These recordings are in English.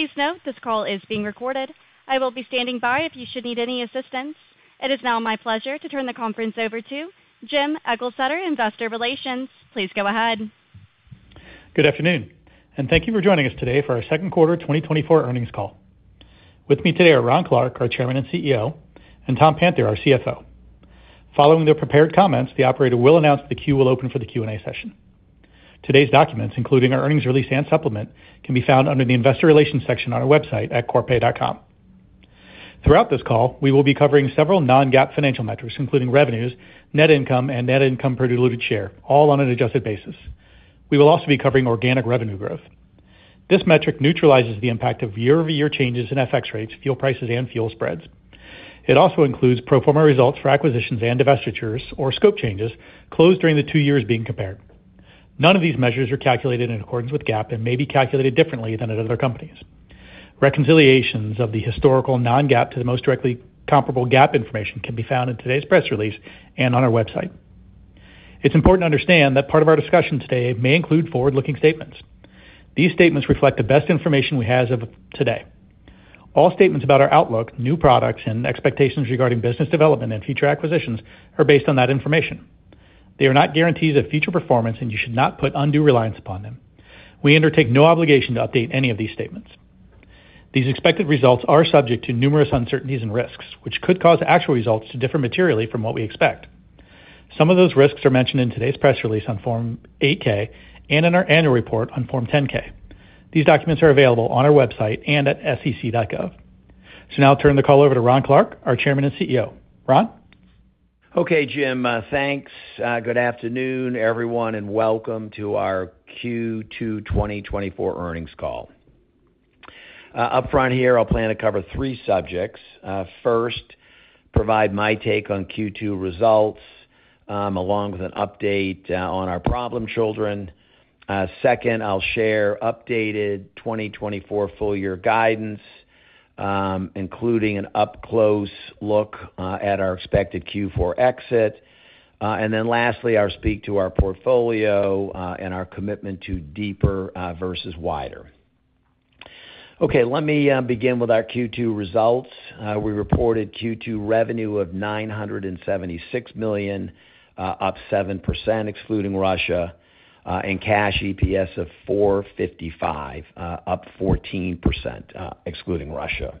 Please note, this call is being recorded. I will be standing by if you should need any assistance. It is now my pleasure to turn the conference over to Jim Eglseder, Investor Relations. Please go ahead. Good afternoon, and thank you for joining us today for our second quarter 2024 earnings call. With me today are Ron Clarke, our chairman and CEO, and Tom Panther, our CFO. Following their prepared comments, the operator will announce the queue will open for the Q&A session. Today's documents, including our earnings release and supplement, can be found under the Investor Relations section on our website at corpay.com. Throughout this call, we will be covering several Non-GAAP financial metrics, including revenues, net income, and net income per diluted share, all on an adjusted basis. We will also be covering organic revenue growth. This metric neutralizes the impact of year-over-year changes in FX rates, fuel prices, and fuel spreads. It also includes pro forma results for acquisitions and divestitures, or scope changes, closed during the two years being compared. None of these measures are calculated in accordance with GAAP and may be calculated differently than at other companies. Reconciliations of the historical Non-GAAP to the most directly comparable GAAP information can be found in today's press release and on our website. It's important to understand that part of our discussion today may include forward-looking statements. These statements reflect the best information we have as of today. All statements about our outlook, new products, and expectations regarding business development and future acquisitions are based on that information. They are not guarantees of future performance, and you should not put undue reliance upon them. We undertake no obligation to update any of these statements. These expected results are subject to numerous uncertainties and risks, which could cause actual results to differ materially from what we expect. Some of those risks are mentioned in today's press release on Form 8-K and in our annual report on Form 10-K. These documents are available on our website and at sec.gov. Now I'll turn the call over to Ron Clarke, our Chairman and CEO. Ron? Okay, Jim, thanks. Good afternoon, everyone, and welcome to our Q2 2024 earnings call. Up front here, I'll plan to cover three subjects. First, provide my take on Q2 results, along with an update on our problem children. Second, I'll share updated 2024 full year guidance, including an up-close look at our expected Q4 exit. And then lastly, I'll speak to our portfolio and our commitment to deeper versus wider. Okay, let me begin with our Q2 results. We reported Q2 revenue of $976 million, up 7%, excluding Russia, and cash EPS of $4.55, up 14%, excluding Russia.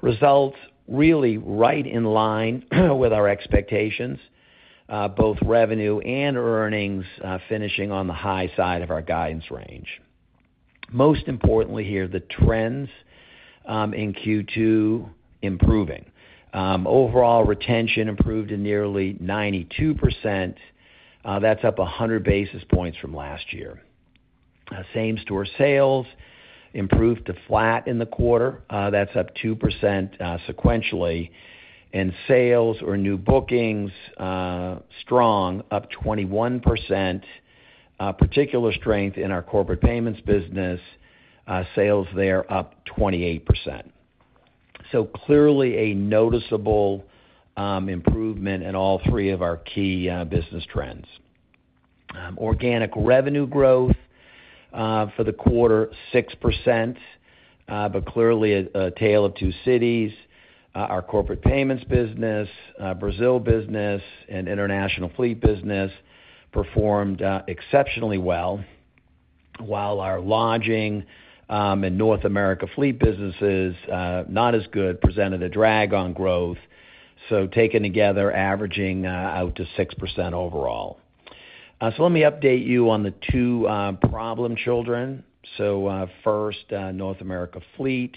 Results really right in line with our expectations, both revenue and earnings, finishing on the high side of our guidance range. Most importantly, here, the trends in Q2 improving. Overall retention improved to nearly 92%. That's up 100 basis points from last year. Same-store sales improved to flat in the quarter. That's up 2%, sequentially, and sales or new bookings strong, up 21%. Particular strength in our Corporate Payments business, sales there up 28%. So clearly a noticeable improvement in all three of our key business trends. Organic revenue growth for the quarter, 6%, but clearly a tale of two cities. Our Corporate Payments business, Brazil business, and international fleet business performed exceptionally well, while our Lodging and North America Fleet businesses not as good, presented a drag on growth. So taken together, averaging out to 6% overall. So let me update you on the two problem children. So, first, North America Fleet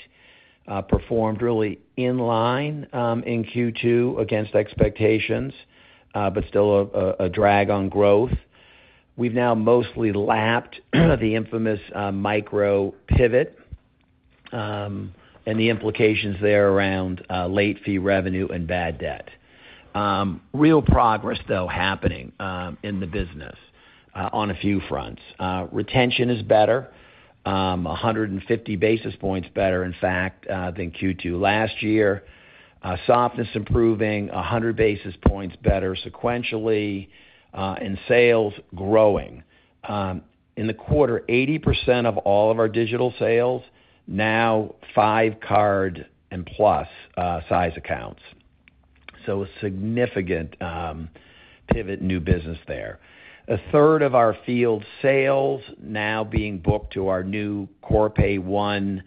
performed really in line in Q2 against expectations, but still a drag on growth. We've now mostly lapped the infamous micro pivot and the implications there around late fee revenue and bad debt. Real progress, though, happening in the business on a few fronts. Retention is better, 150 basis points better, in fact, than Q2 last year. Softness improving, 100 basis points better sequentially, and sales growing. In the quarter, 80% of all of our digital sales now Fuelman card and plus size accounts, so a significant pivot new business there. A third of our field sales now being booked to our new Corpay One,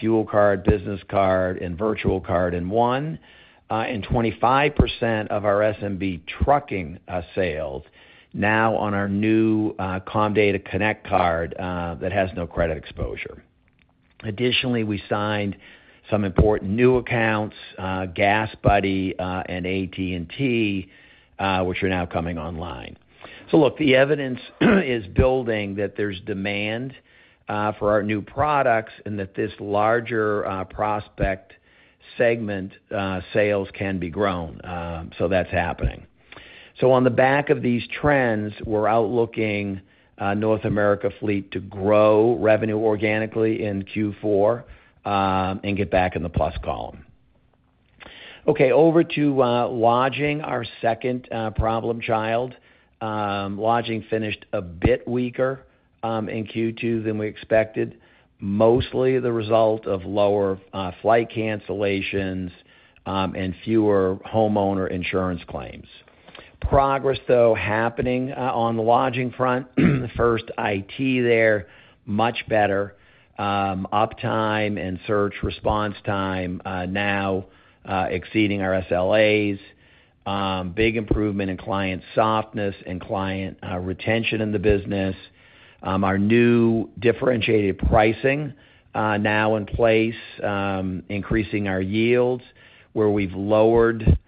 fuel card, business card, and virtual card in one, and 25% of our SMB trucking sales now on our new Comdata Connect card that has no credit exposure. Additionally, we signed some important new accounts, GasBuddy and AT&T, which are now coming online. So look, the evidence is building that there's demand for our new products, and that this larger prospect segment sales can be grown. So that's happening. So on the back of these trends, we're outlooking North America Fleet to grow revenue organically in Q4 and get back in the plus column. Okay, over to Lodging, our second problem child. Lodging finished a bit weaker in Q2 than we expected, mostly the result of lower flight cancellations and fewer homeowner insurance claims. Progress, though, happening on the Lodging front. First, IT there, much better uptime and search response time now exceeding our SLAs. Big improvement in client softness and client retention in the business. Our new differentiated pricing now in place, increasing our yields, where we've lowered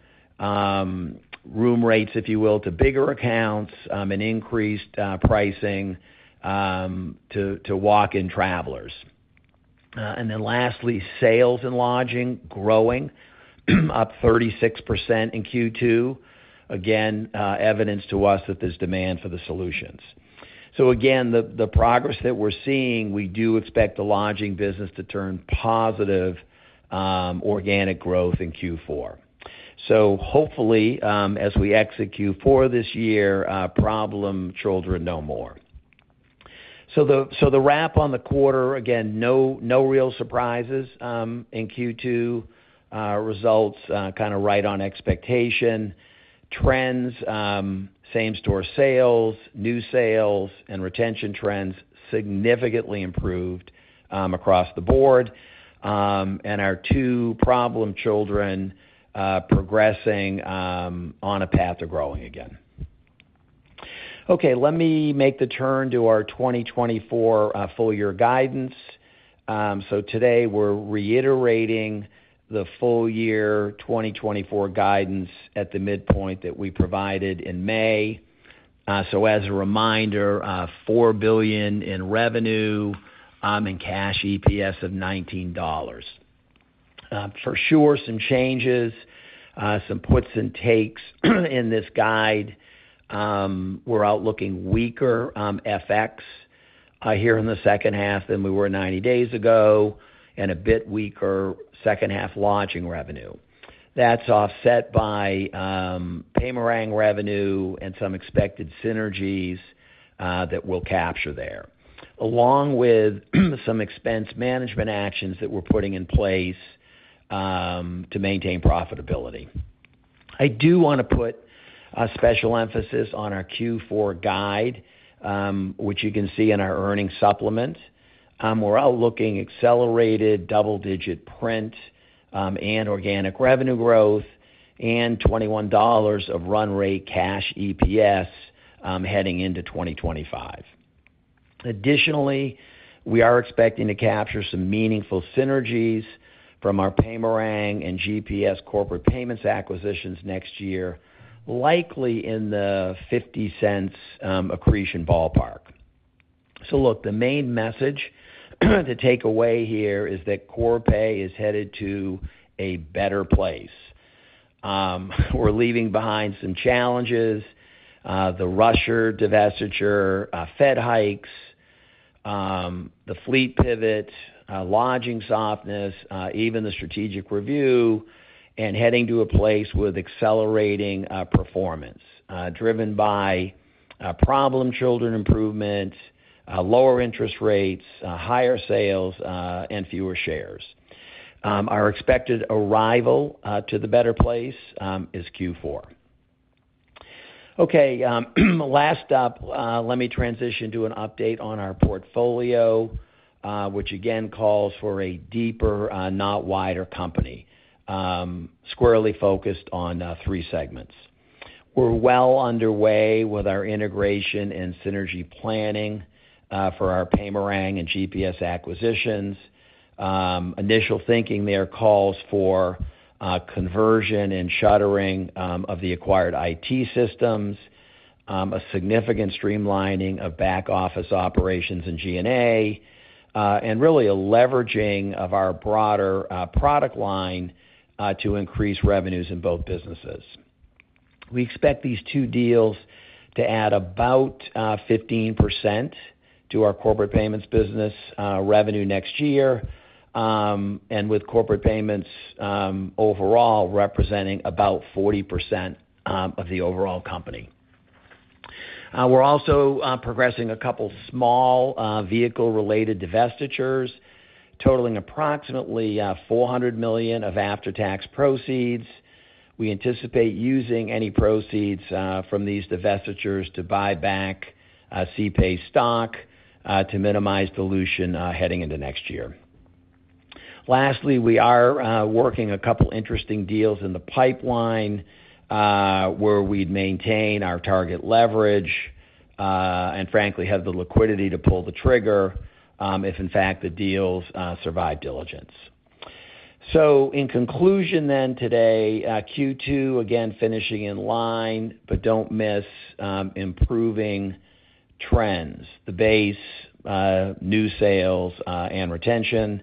room rates, if you will, to bigger accounts and increased pricing to walk-in travelers. And then lastly, sales and Lodging growing, up 36% in Q2. Again, evidence to us that there's demand for the solutions. So again, the progress that we're seeing, we do expect the Lodging business to turn positive organic growth in Q4. So hopefully, as we execute for this year, problem children no more. So the wrap on the quarter, again, no real surprises in Q2. Results kind of right on expectation. Trends, same-store sales, new sales, and retention trends significantly improved across the board. And our two problem children, progressing on a path to growing again. Okay, let me make the turn to our 2024 full year guidance. So today, we're reiterating the full year 2024 guidance at the midpoint that we provided in May. So as a reminder, $4 billion in revenue, and cash EPS of $19. For sure, some changes, some puts and takes in this guide. We're now looking weaker FX here in the second half than we were 90 days ago, and a bit weaker second half Lodging revenue. That's offset by Paymerang revenue and some expected synergies that we'll capture there, along with some expense management actions that we're putting in place to maintain profitability. I do wanna put a special emphasis on our Q4 guide, which you can see in our earnings supplement. We're now looking accelerated double-digit print and organic revenue growth, and $21 of run rate cash EPS heading into 2025. Additionally, we are expecting to capture some meaningful synergies from our Paymerang and GPS Corporate Payments acquisitions next year, likely in the $0.50 accretion ballpark. So look, the main message to take away here is that Corpay is headed to a better place. We're leaving behind some challenges, the Russia divestiture, Fed hikes, the fleet pivot, Lodging softness, even the strategic review, and heading to a place with accelerating performance. Driven by problem children improvement, lower interest rates, higher sales, and fewer shares. Our expected arrival to the better place is Q4. Okay, last up, let me transition to an update on our portfolio, which again calls for a deeper, not wider company, squarely focused on three segments. We're well underway with our integration and synergy planning for our Paymerang and GPS acquisitions. Initial thinking there calls for conversion and shuttering of the acquired IT systems, a significant streamlining of back-office operations in G&A, and really a leveraging of our broader product line to increase revenues in both businesses. We expect these two deals to add about 15% to our Corporate Payments business revenue next year, and with Corporate Payments overall representing about 40% of the overall company. We're also progressing a couple small vehicle-related divestitures, totaling approximately $400 million of after-tax proceeds. We anticipate using any proceeds from these divestitures to buy back CPAY stock to minimize dilution heading into next year. Lastly, we are working a couple interesting deals in the pipeline, where we'd maintain our target leverage, and frankly, have the liquidity to pull the trigger, if, in fact, the deals survive diligence. So in conclusion, then today, Q2, again, finishing in line, but don't miss improving trends, the base, new sales, and retention,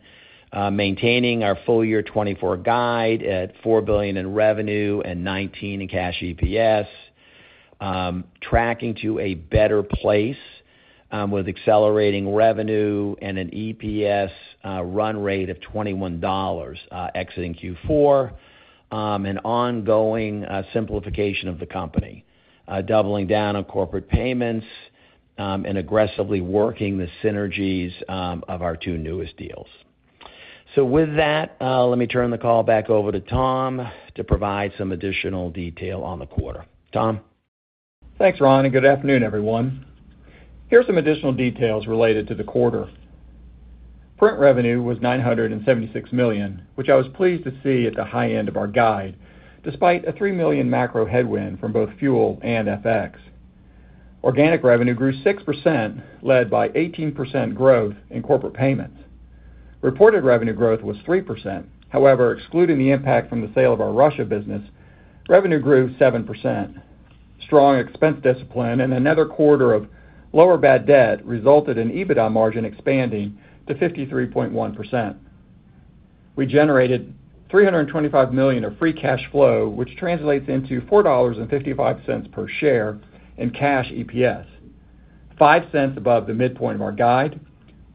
maintaining our full year 2024 guide at $4 billion in revenue and $19 cash EPS, tracking to a better place, with accelerating revenue and an EPS run rate of $21, exiting Q4, and ongoing simplification of the company, doubling down on Corporate Payments, and aggressively working the synergies of our two newest deals. So with that, let me turn the call back over to Tom to provide some additional detail on the quarter. Tom? Thanks, Ron, and good afternoon, everyone. Here are some additional details related to the quarter. Print revenue was $976 million, which I was pleased to see at the high end of our guide, despite a $3 million macro headwind from both fuel and FX. Organic revenue grew 6%, led by 18% growth in Corporate Payments. Reported revenue growth was 3%. However, excluding the impact from the sale of our Russia business, revenue grew 7%. Strong expense discipline and another quarter of lower bad debt resulted in EBITDA margin expanding to 53.1%. We generated $325 million of free cash flow, which translates into $4.55 per share in cash EPS, $0.05 above the midpoint of our guide,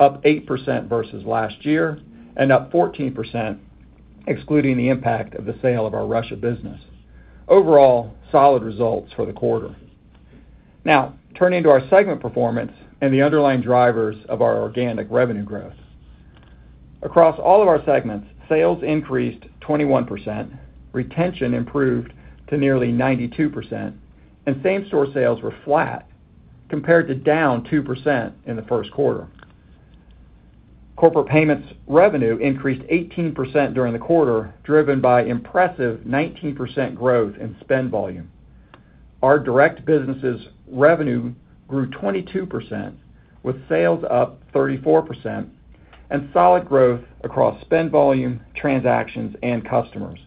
up 8% versus last year, and up 14%, excluding the impact of the sale of our Russia business. Overall, solid results for the quarter. Now, turning to our segment performance and the underlying drivers of our organic revenue growth. Across all of our segments, sales increased 21%, retention improved to nearly 92%, and same-store sales were flat compared to down 2% in the first quarter. Corporate payments revenue increased 18% during the quarter, driven by impressive 19% growth in spend volume. Our direct businesses' revenue grew 22%, with sales up 34% and solid growth across spend volume, transactions, and customers.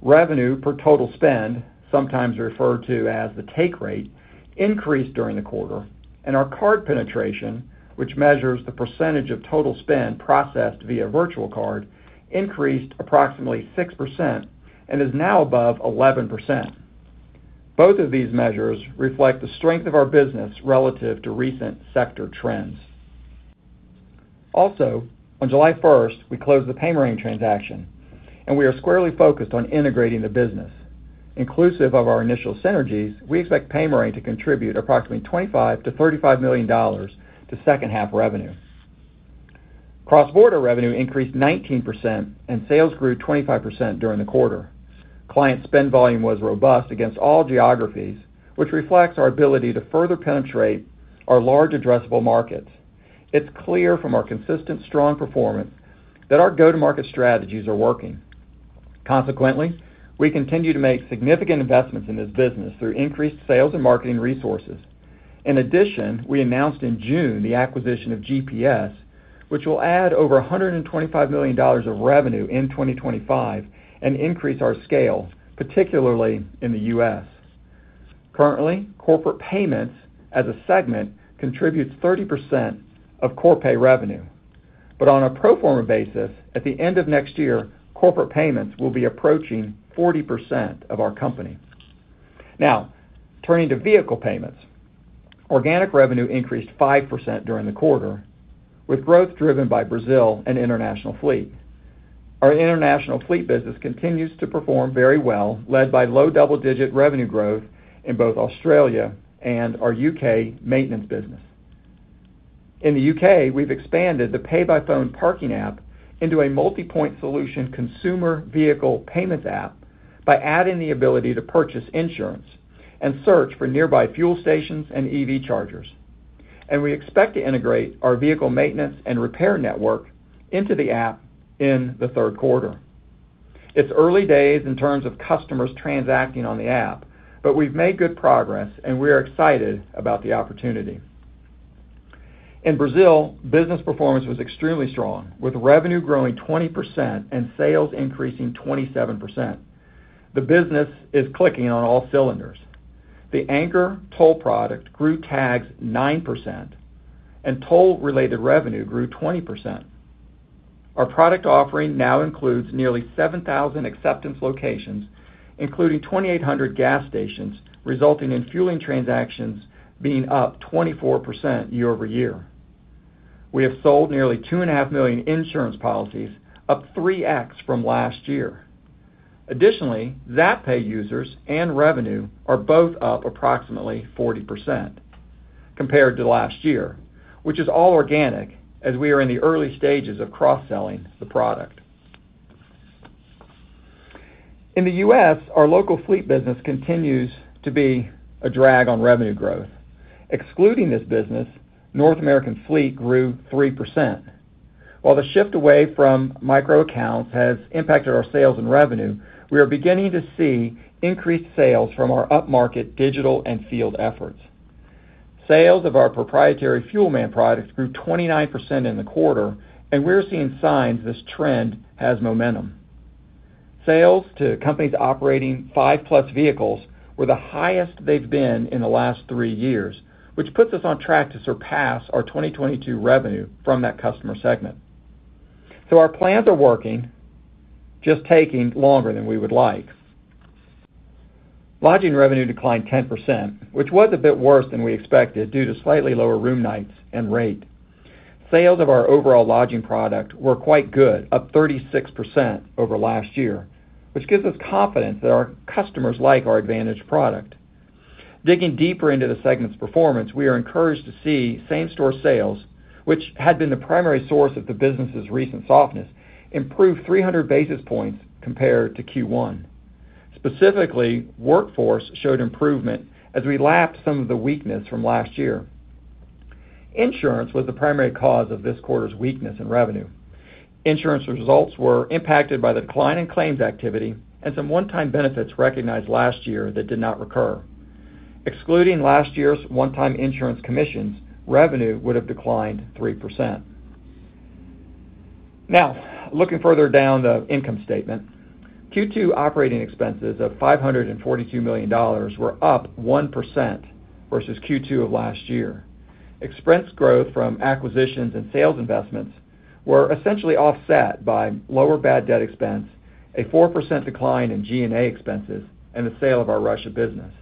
Revenue per total spend, sometimes referred to as the take rate, increased during the quarter, and our card penetration, which measures the percentage of total spend processed via virtual card, increased approximately 6% and is now above 11%. Both of these measures reflect the strength of our business relative to recent sector trends. Also, on July 1, we closed the Paymerang transaction, and we are squarely focused on integrating the business. Inclusive of our initial synergies, we expect Paymerang to contribute approximately $25 million-$35 million to second half revenue. Cross-border revenue increased 19% and sales grew 25% during the quarter. Client spend volume was robust against all geographies, which reflects our ability to further penetrate our large addressable markets. It's clear from our consistent strong performance that our go-to-market strategies are working. Consequently, we continue to make significant investments in this business through increased sales and marketing resources. In addition, we announced in June the acquisition of GPS, which will add over $125 million of revenue in 2025 and increase our scale, particularly in the U.S. Currently, Corporate Payments as a segment contributes 30% of Corpay revenue. But on a pro forma basis, at the end of next year, Corporate Payments will be approaching 40% of our company. Now, turning to vehicle payments. Organic revenue increased 5% during the quarter, with growth driven by Brazil and international fleet. Our international fleet business continues to perform very well, led by low double-digit revenue growth in both Australia and our U.K. maintenance business. In the UK, we've expanded the PayByPhone parking app into a multipoint solution consumer vehicle payments app by adding the ability to purchase insurance and search for nearby fuel stations and EV chargers. We expect to integrate our vehicle maintenance and repair network into the app in the third quarter. It's early days in terms of customers transacting on the app, but we've made good progress, and we are excited about the opportunity. In Brazil, business performance was extremely strong, with revenue growing 20% and sales increasing 27%. The business is clicking on all cylinders. The anchor toll product grew tags 9%, and toll-related revenue grew 20%. Our product offering now includes nearly 7,000 acceptance locations, including 2,800 gas stations, resulting in fueling transactions being up 24% year-over-year. We have sold nearly 2.5 million insurance policies, up 3x from last year. Additionally, Zapay users and revenue are both up approximately 40% compared to last year, which is all organic, as we are in the early stages of cross-selling the product. In the U.S., our Local Fleet business continues to be a drag on revenue growth. Excluding this business, North American fleet grew 3%. While the shift away from micro accounts has impacted our sales and revenue, we are beginning to see increased sales from our upmarket digital and field efforts. Sales of our proprietary Fuelman products grew 29% in the quarter, and we're seeing signs this trend has momentum. Sales to companies operating 5+ vehicles were the highest they've been in the last three years, which puts us on track to surpass our 2022 revenue from that customer segment. So our plans are working, just taking longer than we would like. Lodging revenue declined 10%, which was a bit worse than we expected due to slightly lower room nights and rate. Sales of our overall Lodging product were quite good, up 36% over last year, which gives us confidence that our customers like our Advantage product. Digging deeper into the segment's performance, we are encouraged to see same-store sales, which had been the primary source of the business's recent softness, improve 300 basis points compared to Q1. Specifically, Workforce showed improvement as we lapsed some of the weakness from last year. Insurance was the primary cause of this quarter's weakness in revenue. Insurance results were impacted by the decline in claims activity and some one-time benefits recognized last year that did not recur. Excluding last year's one-time insurance commissions, revenue would have declined 3%. Now, looking further down the income statement. Q2 operating expenses of $542 million were up 1% versus Q2 of last year. Expense growth from acquisitions and sales investments were essentially offset by lower bad debt expense, a 4% decline in G&A expenses, and the sale of our Russia business.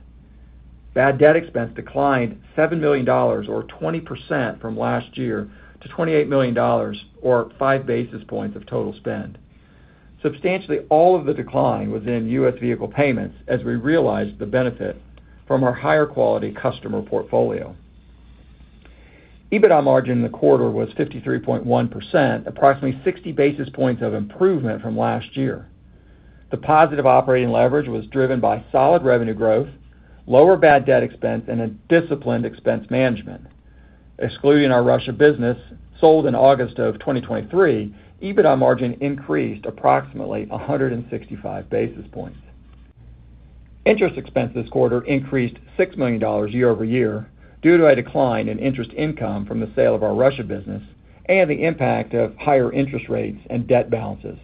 Bad debt expense declined $7 million, or 20% from last year, to $28 million, or 5 basis points of total spend. Substantially, all of the decline was in U.S. vehicle payments as we realized the benefit from our higher-quality customer portfolio. EBITDA margin in the quarter was 53.1%, approximately 60 basis points of improvement from last year. The positive operating leverage was driven by solid revenue growth, lower bad debt expense, and a disciplined expense management. Excluding our Russia business, sold in August of 2023, EBITDA margin increased approximately 165 basis points. Interest expense this quarter increased $6 million year-over-year due to a decline in interest income from the sale of our Russia business and the impact of higher interest rates and debt balances.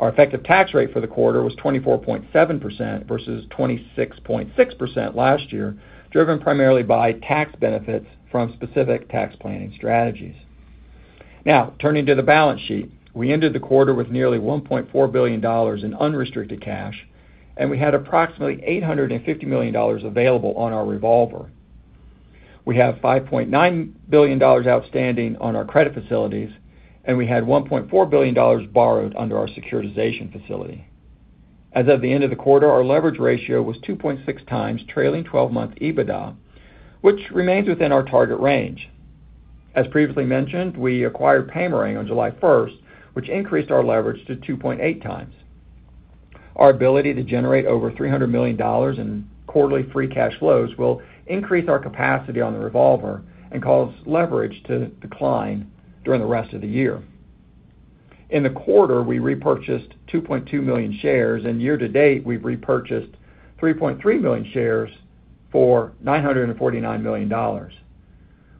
Our effective tax rate for the quarter was 24.7% versus 26.6% last year, driven primarily by tax benefits from specific tax planning strategies. Now, turning to the balance sheet. We ended the quarter with nearly $1.4 billion in unrestricted cash, and we had approximately $850 million available on our revolver. We have $5.9 billion outstanding on our credit facilities, and we had $1.4 billion borrowed under our securitization facility. As of the end of the quarter, our leverage ratio was 2.6 times trailing twelve-month EBITDA, which remains within our target range. As previously mentioned, we acquired Paymerang on July 1, which increased our leverage to 2.8 times. Our ability to generate over $300 million in quarterly free cash flows will increase our capacity on the revolver and cause leverage to decline during the rest of the year. In the quarter, we repurchased 2.2 million shares, and year to date, we've repurchased 3.3 million shares for $949 million.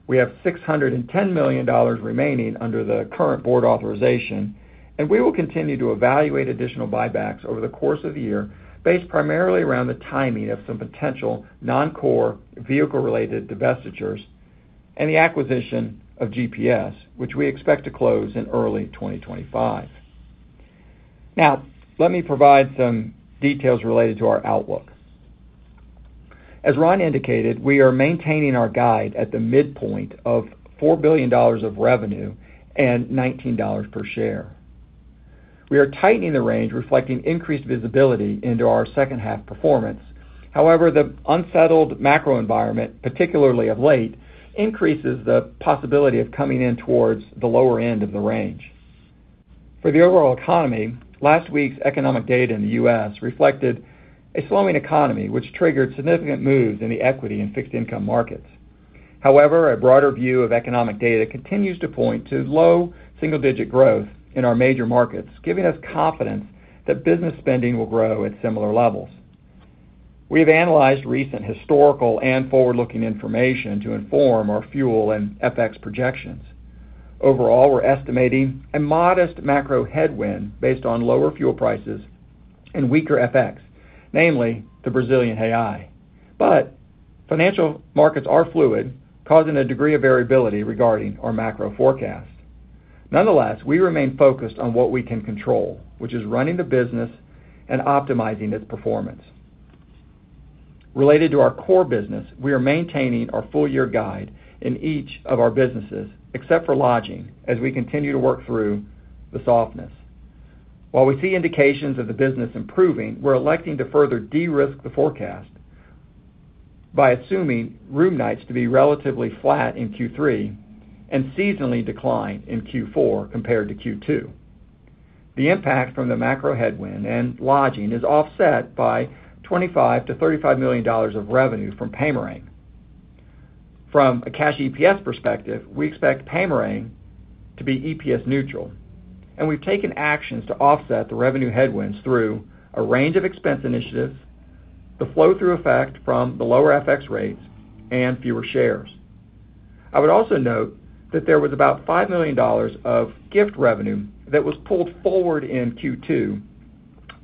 We have $610 million remaining under the current board authorization, and we will continue to evaluate additional buybacks over the course of the year, based primarily around the timing of some potential non-core vehicle-related divestitures and the acquisition of GPS, which we expect to close in early 2025. Now, let me provide some details related to our outlook. As Ron indicated, we are maintaining our guide at the midpoint of $4 billion of revenue and $19 per share. We are tightening the range, reflecting increased visibility into our second-half performance. However, the unsettled macro environment, particularly of late, increases the possibility of coming in towards the lower end of the range. For the overall economy, last week's economic data in the U.S. reflected a slowing economy, which triggered significant moves in the equity and fixed income markets. However, a broader view of economic data continues to point to low single-digit growth in our major markets, giving us confidence that business spending will grow at similar levels. We have analyzed recent historical and forward-looking information to inform our fuel and FX projections. Overall, we're estimating a modest macro headwind based on lower fuel prices and weaker FX, namely the Brazilian real. But financial markets are fluid, causing a degree of variability regarding our macro forecast. Nonetheless, we remain focused on what we can control, which is running the business and optimizing its performance. Related to our core business, we are maintaining our full-year guide in each of our businesses, except for Lodging, as we continue to work through the softness. While we see indications of the business improving, we're electing to further de-risk the forecast by assuming room nights to be relatively flat in Q3 and seasonally decline in Q4 compared to Q2. The impact from the macro headwind and Lodging is offset by $25 million-$35 million of revenue from Paymerang. From a cash EPS perspective, we expect Paymerang to be EPS neutral, and we've taken actions to offset the revenue headwinds through a range of expense initiatives, the flow-through effect from the lower FX rates, and fewer shares. I would also note that there was about $5 million of Gift revenue that was pulled forward in Q2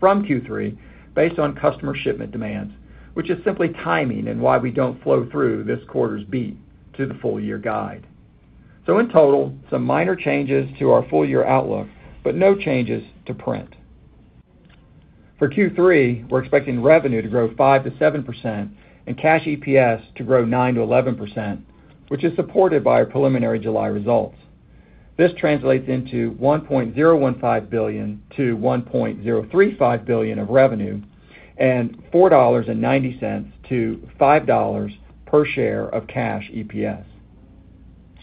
from Q3 based on customer shipment demands, which is simply timing and why we don't flow through this quarter's beat to the full-year guide. So in total, some minor changes to our full year outlook, but no changes to print. For Q3, we're expecting revenue to grow 5%-7% and cash EPS to grow 9%-11%, which is supported by our preliminary July results. This translates into $1.015 billion-$1.035 billion of revenue and $4.90-$5.00 per share of cash EPS.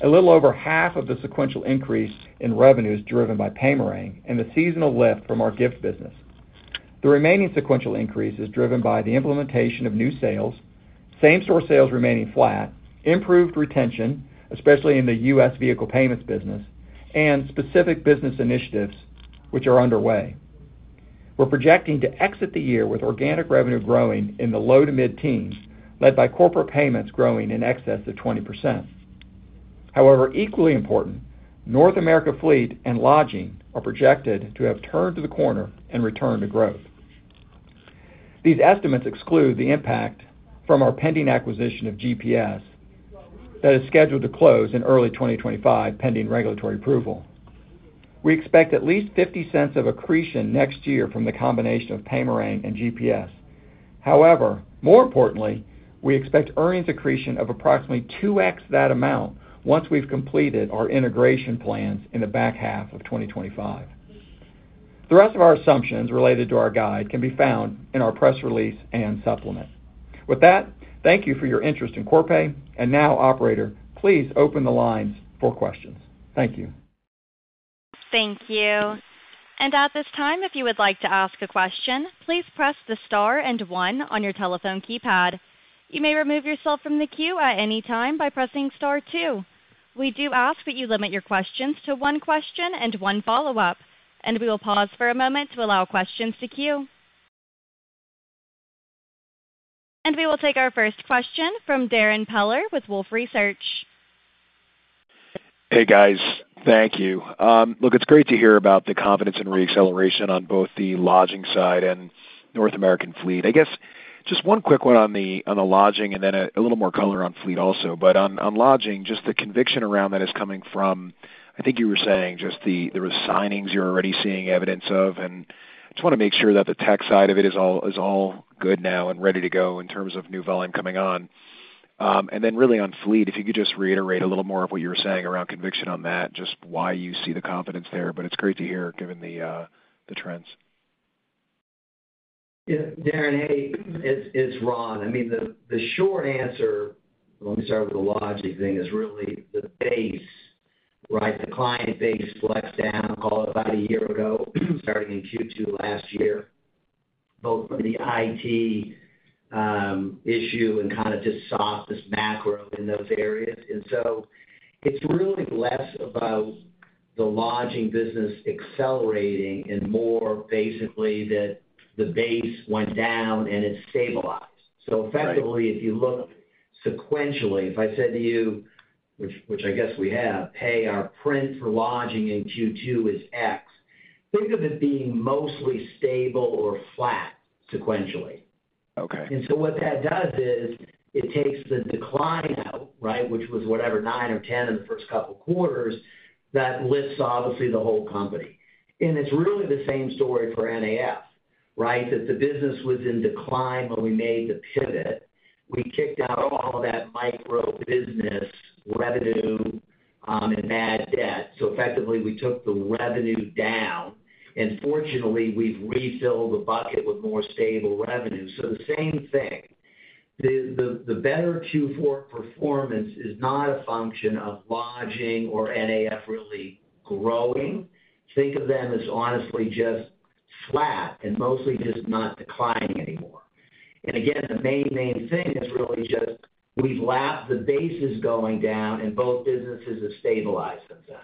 A little over half of the sequential increase in revenue is driven by Paymerang and the seasonal lift from our Gift business. The remaining sequential increase is driven by the implementation of new sales, same-store sales remaining flat, improved retention, especially in the U.S. vehicle payments business, and specific business initiatives which are underway. We're projecting to exit the year with organic revenue growing in the low- to mid-teens, led by Corporate Payments growing in excess of 20%. However, equally important, North America Fleet and Lodging are projected to have turned the corner and return to growth. These estimates exclude the impact from our pending acquisition of GPS that is scheduled to close in early 2025, pending regulatory approval. We expect at least $0.50 of accretion next year from the combination of Paymerang and GPS. However, more importantly, we expect earnings accretion of approximately 2x that amount once we've completed our integration plans in the back half of 2025. The rest of our assumptions related to our guide can be found in our press release and supplement. With that, thank you for your interest in Corpay, and now, operator, please open the lines for questions. Thank you. Thank you. At this time, if you would like to ask a question, please press the star and one on your telephone keypad. You may remove yourself from the queue at any time by pressing star two. We do ask that you limit your questions to one question and one follow-up, and we will pause for a moment to allow questions to queue. We will take our first question Darrin Peller with Wolfe Research. Hey, guys. Thank you. Look, it's great to hear about the confidence and reacceleration on both the Lodging side and North American Fleet. I guess, just one quick one on the Lodging and then a little more color on Fleet also. But on Lodging, just the conviction around that is coming from... I think you were saying there was signings you're already seeing evidence of, and I just wanna make sure that the tech side of it is all good now and ready to go in terms of new volume coming on. And then really on Fleet, if you could just reiterate a little more of what you were saying around conviction on that, just why you see the confidence there, but it's great to hear, given the trends. Yeah, Darrin, hey, it's, it's Ron. I mean, the short answer, let me start with the Lodging thing, is really the base, right? The client base flexed down about a year ago, starting in Q2 last year, both from the IT issue and kind of just soft, this macro in those areas. And so it's really less about the Lodging business accelerating and more basically that the base went down and it stabilized. Right. So effectively, if you look sequentially, if I said to you, which, which I guess we have, "Hey, our print for Lodging in Q2 is X," think of it being mostly stable or flat sequentially. Okay. What that does is, it takes the decline out, right, which was whatever, nine or 10 in the first couple quarters, that lifts, obviously, the whole company. It's really the same story for NAF, right? That the business was in decline when we made the pivot. We kicked out all that micro business revenue, and bad debt. So effectively, we took the revenue down, and fortunately, we've refilled the bucket with more stable revenue. So the same thing. The better Q4 performance is not a function of Lodging or NAF really growing. Think of them as honestly just flat and mostly just not declining anymore. Again, the main thing is really just, we've lapped the bases going down, and both businesses have stabilized since then.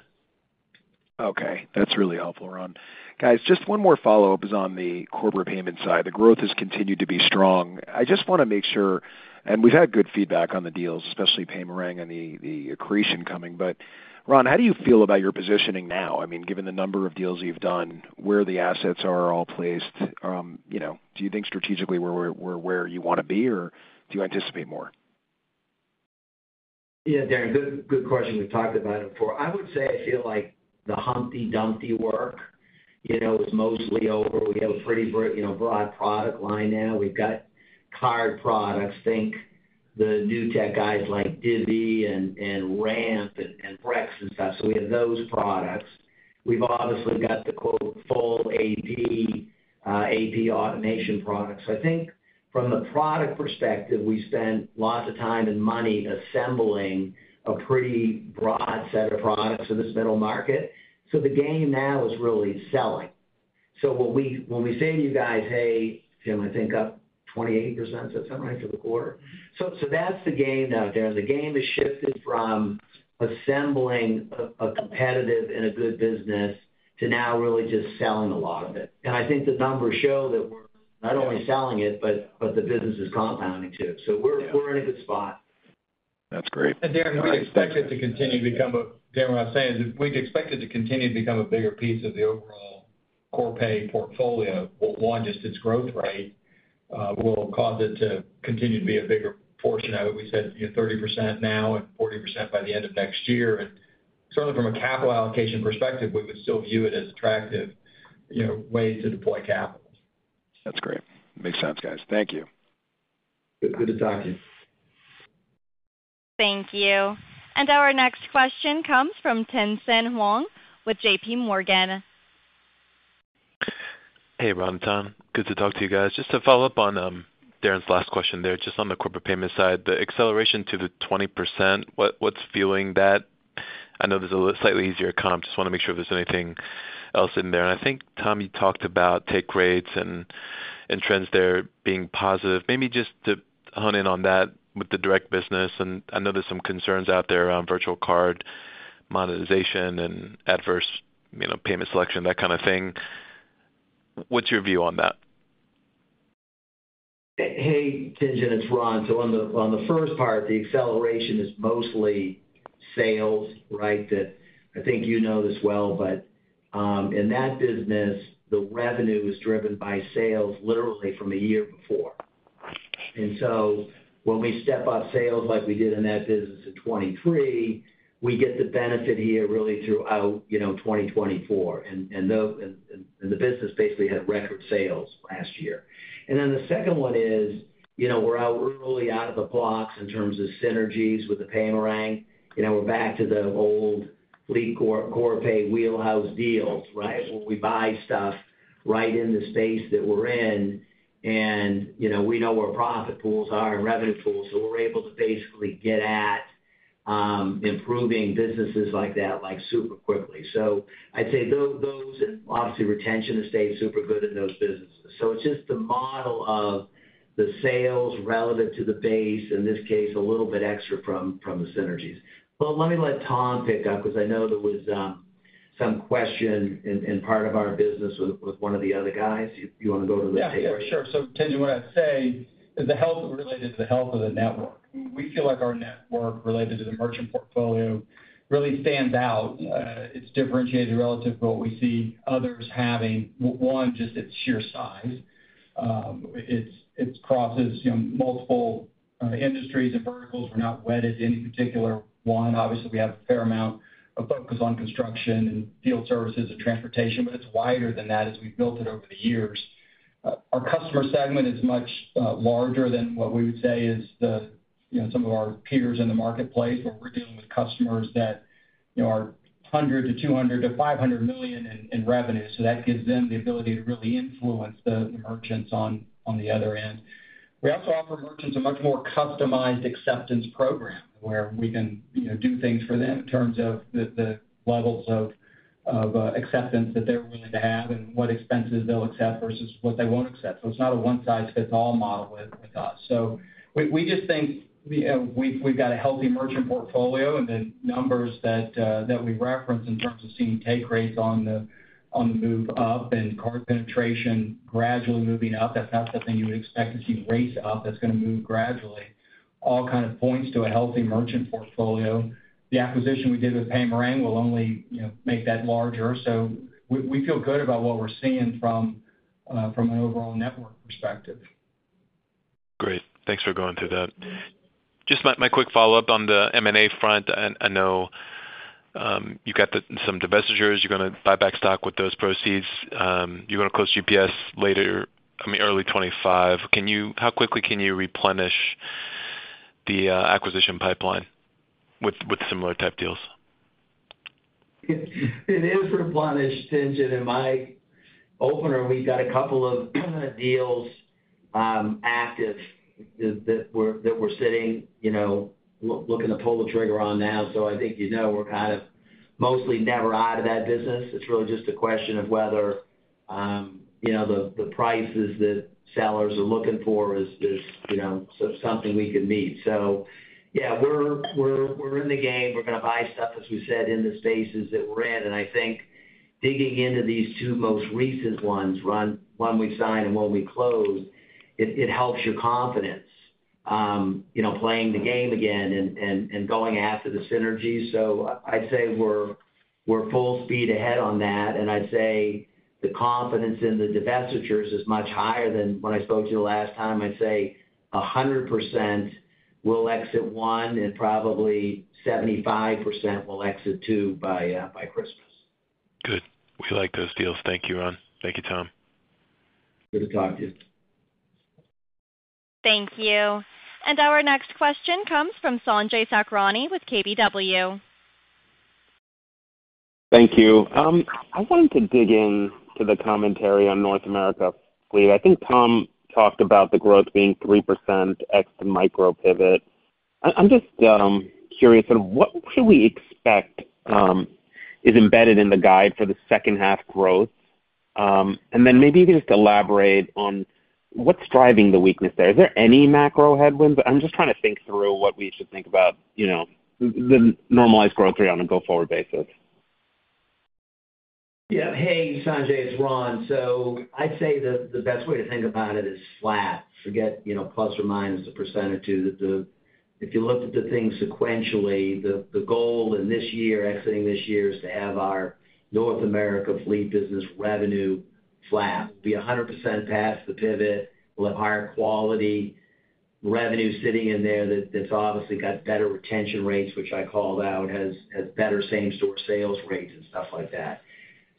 Okay, that's really helpful, Ron. Guys, just one more follow-up is on the corporate payment side. The growth has continued to be strong. I just want to make sure, and we've had good feedback on the deals, especially Paymerang and the accretion coming. But Ron, how do you feel about your positioning now? I mean, given the number of deals you've done, where the assets are all placed, you know, do you think strategically where you wanna be, or do you anticipate more? Yeah, Darrin, good, good question. We've talked about it before. I would say I feel like the Humpty Dumpty work, you know, is mostly over. We have a pretty you know, broad product line now. We've got card products, think the new tech guys like Divvy and, and Ramp and, and Brex and stuff, so we have those products. We've obviously got the, quote, "full AP," AP automation products. I think from the product perspective, we spent lots of time and money assembling a pretty broad set of products for this middle market. So the game now is really selling. So when we, when we say to you guys, "Hey," Jim, I think up 28%, is that right, for the quarter? So, so that's the game now, Darrin. The game has shifted from assembling a competitive and a good business to now really just selling a lot of it. I think the numbers show that we're not only selling it, but the business is compounding, too. So we're- Yeah. We're in a good spot. That's great. Darrin, what I'd say is we'd expect it to continue to become a bigger piece of the overall-... Corpay portfolio, well, one, just its growth rate will cause it to continue to be a bigger portion of it. We said, you know, 30% now and 40% by the end of next year. And certainly, from a capital allocation perspective, we would still view it as attractive, you know, way to deploy capital. That's great. Makes sense, guys. Thank you. Good, good to talk to you. Thank you. Our next question comes from Tien-tsin Huang with J.P. Morgan. Hey, Ron, Tom, good to talk to you guys. Just to follow up on Darrin's last question there. Just on the corporate payment side, the acceleration to the 20%, what's fueling that? I know there's a slightly easier comp. Just want to make sure if there's anything else in there. And I think, Tom, you talked about take rates and trends there being positive. Maybe just to hone in on that with the direct business, and I know there's some concerns out there around virtual card monetization and adverse, you know, payment selection, that kind of thing. What's your view on that? Hey, Tien-tsin, it's Ron. So on the first part, the acceleration is mostly sales, right? That I think you know this well, but in that business, the revenue is driven by sales literally from the year before. And so when we step up sales like we did in that business in 2023, we get the benefit here really throughout, you know, 2024, and the business basically had record sales last year. And then the second one is, you know, we're early out of the blocks in terms of synergies with the Paymerang. You know, we're back to the old fleet Corpay wheelhouse deals, right? Where we buy stuff right in the space that we're in, and, you know, we know where profit pools are and revenue pools, so we're able to basically get at, improving businesses like that, like, super quickly. So I'd say those and obviously, retention has stayed super good in those businesses. So it's just the model of the sales relevant to the base, in this case, a little bit extra from, from the synergies. But let me let Tom pick up, 'cause I know there was, some question in, in part of our business with, with one of the other guys. You, you want to go to the table? Yeah, yeah, sure. So Tien-tsin, what I'd say is the health related to the health of the network. We feel like our network related to the merchant portfolio really stands out. It's differentiated relative to what we see others having. One, just its sheer size. It's, it crosses, you know, multiple industries and verticals. We're not wedded to any particular one. Obviously, we have a fair amount of focus on construction and field services and transportation, but it's wider than that as we've built it over the years. Our customer segment is much larger than what we would say is the, you know, some of our peers in the marketplace, where we're dealing with customers that, you know, are $100 million to $200 million to $500 million in revenue. So that gives them the ability to really influence the merchants on the other end. We also offer merchants a much more customized acceptance program, where we can, you know, do things for them in terms of the levels of acceptance that they're willing to have and what expenses they'll accept versus what they won't accept. So it's not a one-size-fits-all model with us. So we just think, we've got a healthy merchant portfolio, and the numbers that we reference in terms of seeing take rates on the move up and card penetration gradually moving up, that's not something you would expect to see rates up. That's going to move gradually. All kind of points to a healthy merchant portfolio. The acquisition we did with Paymerang will only, you know, make that larger. So we, we feel good about what we're seeing from, from an overall network perspective. Great. Thanks for going through that. Just my quick follow-up on the M&A front. I know you got some divestitures. You're going to buy back stock with those proceeds. You're going to close GPS later... I mean, early 2025. Can you - How quickly can you replenish the acquisition pipeline with similar type deals? It is replenished, Tien-tsin. In my opener, we've got a couple of deals, active, that we're sitting, you know, looking to pull the trigger on now. So I think you know, we're kind of mostly never out of that business. It's really just a question of whether, you know, the prices that sellers are looking for is, you know, something we can meet. So yeah, we're in the game. We're going to buy stuff, as we said, in the spaces that we're in. And I think digging into these two most recent ones, one we signed and one we closed, it helps your confidence, you know, playing the game again and going after the synergies. So I'd say we're full speed ahead on that, and I'd say the confidence in the divestitures is much higher than when I spoke to you last time. I'd say 100% we'll exit one, and probably 75% we'll exit two by Christmas. Good. We like those deals. Thank you, Ron. Thank you, Tom. Good to talk to you. Thank you. Our next question comes from Sanjay Sakhrani with KBW. Thank you. I wanted to dig in to the commentary on North America fleet. I think Tom talked about the growth being 3% ex the micro pivot. I'm just curious of what should we expect is embedded in the guide for the second half growth? And then maybe you can just elaborate on what's driving the weakness there. Is there any macro headwinds? I'm just trying to think through what we should think about, you know, the normalized growth rate on a go-forward basis. Yeah. Hey, Sanjay, it's Ron. So I'd say the best way to think about it is flat. Forget, you know, ±1% or 2%. If you looked at the things sequentially, the goal in this year, exiting this year, is to have our North America fleet business revenue flat. We'll be 100% past the pivot, we'll have higher quality revenue sitting in there that's obviously got better retention rates, which I called out, has better same-store sales rates and stuff like that.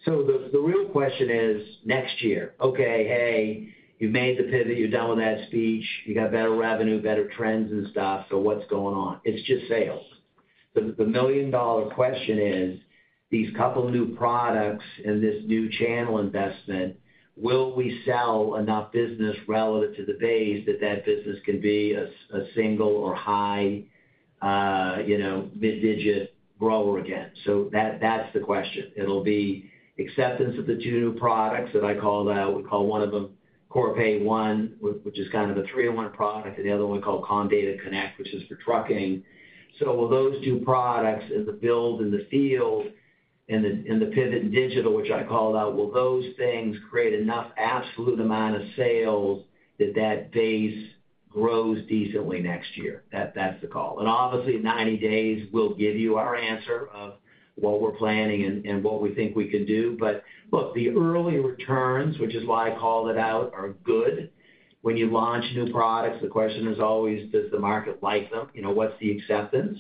So the real question is next year. Okay, hey, you've made the pivot, you're done with that speech, you got better revenue, better trends and stuff, so what's going on? It's just sales. The million-dollar question is, these couple new products and this new channel investment, will we sell enough business relative to the base that that business can be a single or high, you know, mid-digit grower again? So that's the question. It'll be acceptance of the two new products that I called out. We call one of them Corpay One, which is kind of the three-in-one product, and the other one called Comdata Connect, which is for trucking. So will those two products and the build in the field and the pivot in digital, which I called out, will those things create enough absolute amount of sales that that base grows decently next year? That's the call. And obviously, in 90 days, we'll give you our answer of what we're planning and what we think we could do. But look, the early returns, which is why I called it out, are good. When you launch new products, the question is always, does the market like them? You know, what's the acceptance?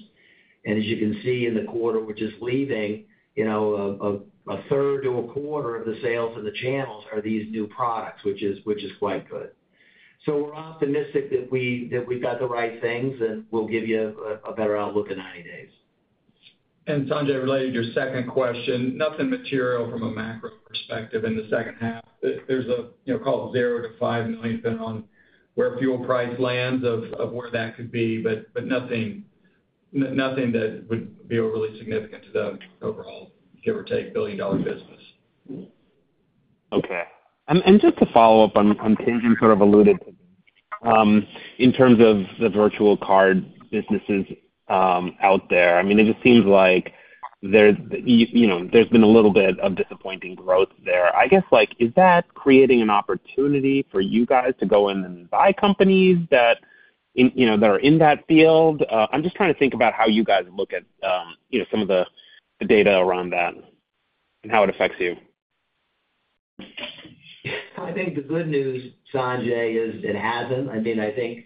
And as you can see in the quarter, which is leaving, you know, a, a third to a quarter of the sales in the channels are these new products, which is, which is quite good. So we're optimistic that we, that we've got the right things, and we'll give you a, a better outlook in 90 days. And Sanjay, related to your second question, nothing material from a macro perspective in the second half. There's a, you know, call it $0-$5 million dependent on where fuel price lands of where that could be, but nothing that would be overly significant to the overall, give or take, billion-dollar business. Okay. And just to follow up on things you sort of alluded to, in terms of the virtual card businesses out there, I mean, it just seems like, you know, there's been a little bit of disappointing growth there. I guess, like, is that creating an opportunity for you guys to go in and buy companies that, you know, are in that field? I'm just trying to think about how you guys look at, you know, some of the data around that and how it affects you. I think the good news, Sanjay, is it hasn't. I mean, I think,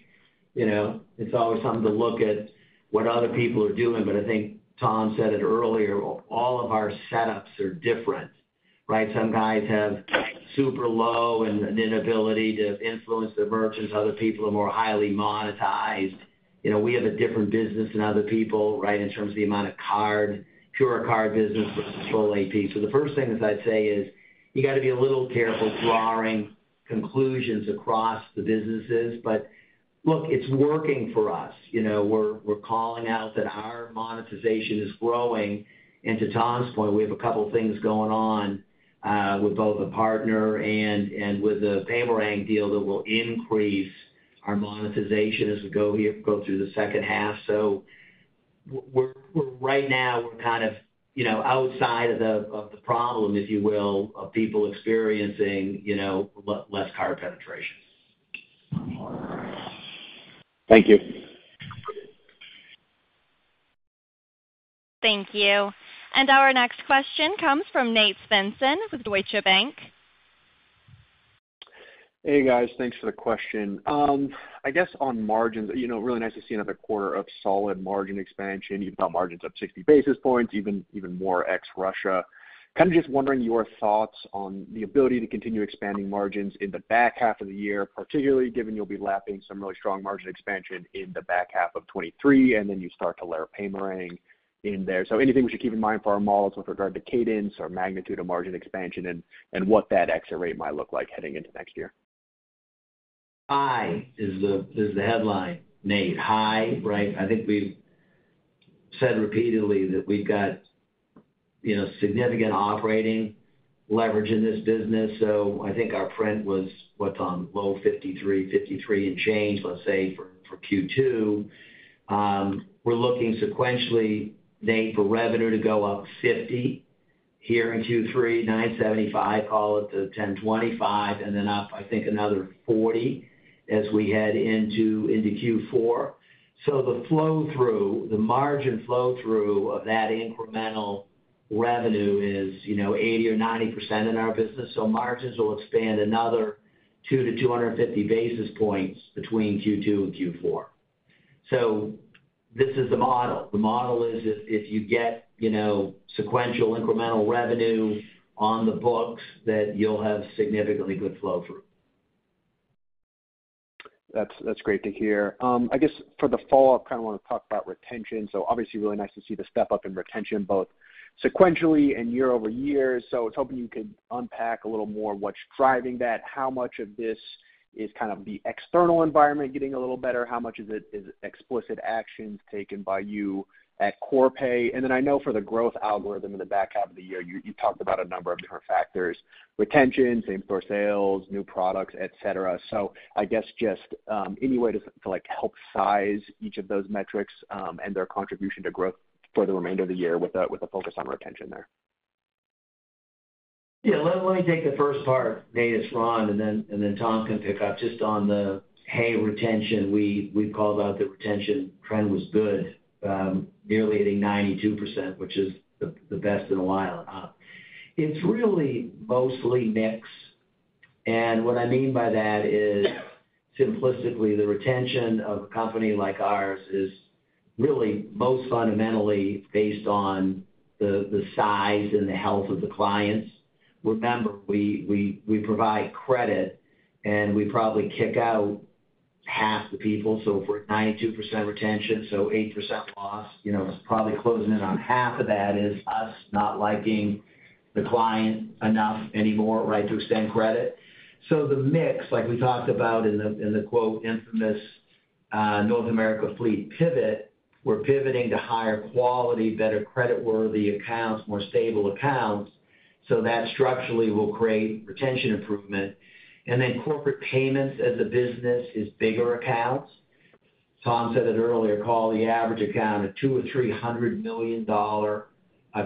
you know, it's always something to look at what other people are doing, but I think Tom said it earlier, all of our setups are different, right? Some guys have super low and an inability to influence the merchants. Other people are more highly monetized. You know, we have a different business than other people, right, in terms of the amount of card, pure card business versus sole AP. So the first thing that I'd say is, you gotta be a little careful drawing conclusions across the businesses. But look, it's working for us. You know, we're calling out that our monetization is growing. And to Tom's point, we have a couple things going on with both a partner and with the Paymerang deal that will increase our monetization as we go through the second half. So we're right now, we're kind of, you know, outside of the problem, if you will, of people experiencing, you know, less card penetration. Thank you. Thank you. Our next question comes from Nate Svensson with Deutsche Bank. Hey, guys. Thanks for the question. I guess on margins, you know, really nice to see another quarter of solid margin expansion. You've got margins up 60 basis points, even, even more ex Russia. Kind of just wondering your thoughts on the ability to continue expanding margins in the back half of the year, particularly given you'll be lapping some really strong margin expansion in the back half of 2023, and then you start to layer Paymerang in there. So anything we should keep in mind for our models with regard to cadence or magnitude of margin expansion and, and what that exit rate might look like heading into next year? High is the, is the headline, Nate. High, right? I think we've said repeatedly that we've got, you know, significant operating leverage in this business. So I think our print was, what, on low 53, 53 and change, let's say, for, for Q2. We're looking sequentially, Nate, for revenue to go up $50 here in Q3, $975, call it, to $1,025, and then up, I think, another 40 as we head into, into Q4. So the flow-through, the margin flow-through of that incremental revenue is, you know, 80% or 90% in our business. So margins will expand another 200-250 basis points between Q2 and Q4. So this is the model. The model is if, if you get, you know, sequential incremental revenue on the books, then you'll have significantly good flow-through. That's, that's great to hear. I guess for the follow-up, I kind of want to talk about retention. So obviously, really nice to see the step up in retention, both sequentially and year-over-year. So I was hoping you could unpack a little more what's driving that. How much of this is kind of the external environment getting a little better? How much of it is explicit actions taken by you at Corpay? And then I know for the growth algorithm in the back half of the year, you talked about a number of different factors: retention, same-store sales, new products, et cetera. So I guess just any way to, like, help size each of those metrics and their contribution to growth for the remainder of the year with a focus on retention there? Yeah. Let me take the first part, Nate. It's Ron, and then Tom can pick up just on the, hey, retention. We called out the retention trend was good, nearly hitting 92%, which is the best in a while. It's really mostly mix. And what I mean by that is, simplistically, the retention of a company like ours is really most fundamentally based on the size and the health of the clients. Remember, we provide credit, and we probably kick out half the people, so we're at 92% retention, so 8% loss. You know, it's probably closing in on half of that is us not liking the client enough anymore, right, to extend credit. So the mix, like we talked about in the quote, "infamous," North America fleet pivot, we're pivoting to higher quality, better creditworthy accounts, more stable accounts, so that structurally will create retention improvement. And then Corporate Payments as a business is bigger accounts. Tom said it earlier, call the average account a $200 or $300 million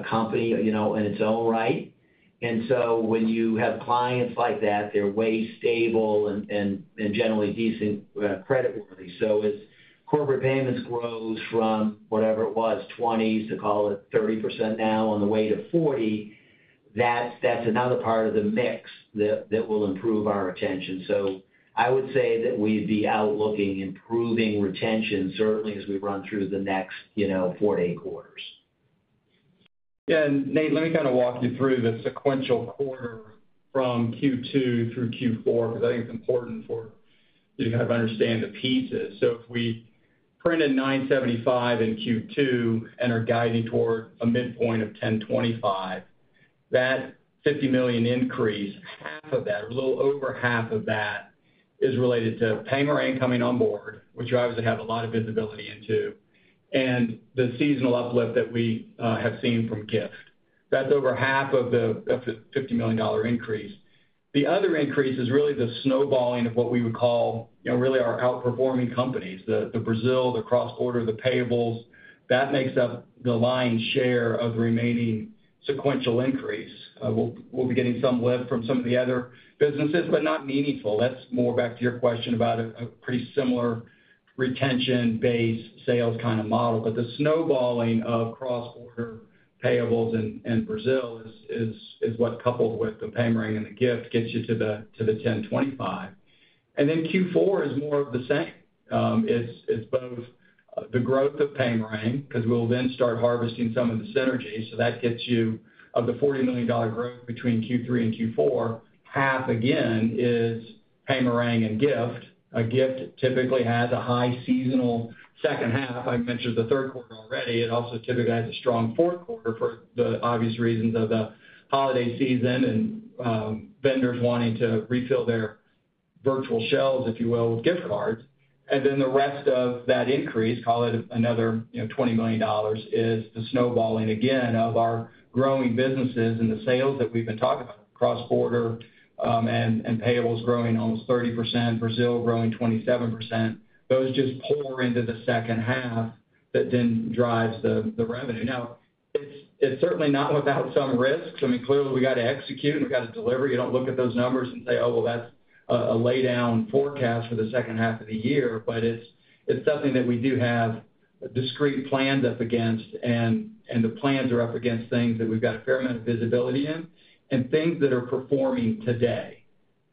company, you know, in its own right. And so when you have clients like that, they're way stable and generally decent creditworthy. So as Corporate Payments grows from whatever it was, 20% to, call it, 30% now on the way to 40%, that's another part of the mix that will improve our retention. So I would say that we'd be outlooking improving retention, certainly as we run through the next, you know, 4 to 8 quarters. Yeah, and Nate, let me kind of walk you through the sequential quarter from Q2 through Q4, because I think it's important for you to kind of understand the pieces. So if we printed $975 million in Q2 and are guiding toward a midpoint of $1,025 million, that $50 million increase, half of that, or a little over half of that, is related to Paymerang coming on board, which obviously have a lot of visibility into, and the seasonal uplift that we have seen from Gift. That's over half of the $50 million increase. The other increase is really the snowballing of what we would call, you know, really our outperforming companies, the Brazil, the Cross-Border, the payables. That makes up the lion's share of the remaining sequential increase. We'll be getting some lift from some of the other businesses, but not meaningful. That's more back to your question about a pretty similar retention-based sales kind of model. But the snowballing of Cross-Border payables in Brazil is what, coupled with the Paymerang and the Gift, gets you to the 1,025. And then Q4 is more of the same. It's both the growth of Paymerang, 'cause we'll then start harvesting some of the synergies. So that gets you, of the $40 million growth between Q3 and Q4, half again is Paymerang and Gift. Gift typically has a high seasonal second half. I mentioned the third quarter already. It also typically has a strong fourth quarter for the obvious reasons of the holiday season and vendors wanting to refill their virtual shelves, if you will, with Gift cards. And then the rest of that increase, call it another, you know, $20 million, is the snowballing again, of our growing businesses and the sales that we've been talking about, Cross-Border, and payables growing almost 30%, Brazil growing 27%. Those just pour into the second half, that then drives the revenue. Now, it's certainly not without some risks. I mean, clearly, we got to execute, and we've got to deliver. You don't look at those numbers and say, "Oh, well, that's a lay down forecast for the second half of the year." But it's something that we do have a discrete plan up against, and the plans are up against things that we've got a fair amount of visibility in, and things that are performing today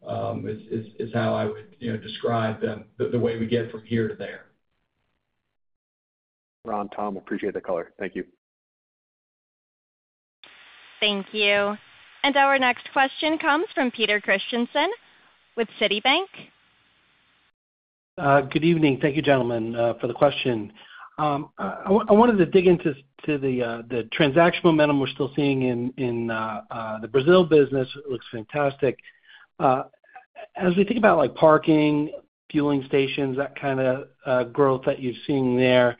is how I would, you know, describe them, the way we get from here to there. Ron, Tom, appreciate the color. Thank you. Thank you. And our next question comes from Peter Christiansen with Citibank. Good evening. Thank you, gentlemen, for the question. I wanted to dig into the transaction momentum we're still seeing in the Brazil business. It looks fantastic. As we think about, like, parking, fueling stations, that kind of growth that you're seeing there,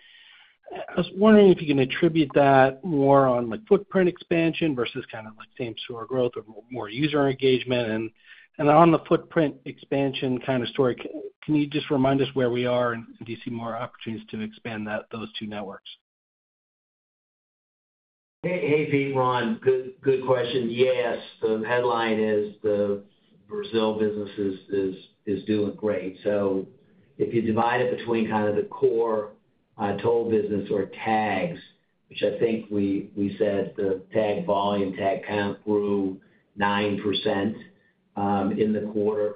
I was wondering if you can attribute that more on, like, footprint expansion versus kind of like same store growth or more user engagement? And on the footprint expansion kind of story, can you just remind us where we are, and do you see more opportunities to expand those two networks? Hey, hey, Pete, Ron, good, good question. Yes, the headline is the Brazil business is doing great. So if you divide it between kind of the core toll business or tags, which I think we said the tag volume, tag count grew 9%, in the quarter.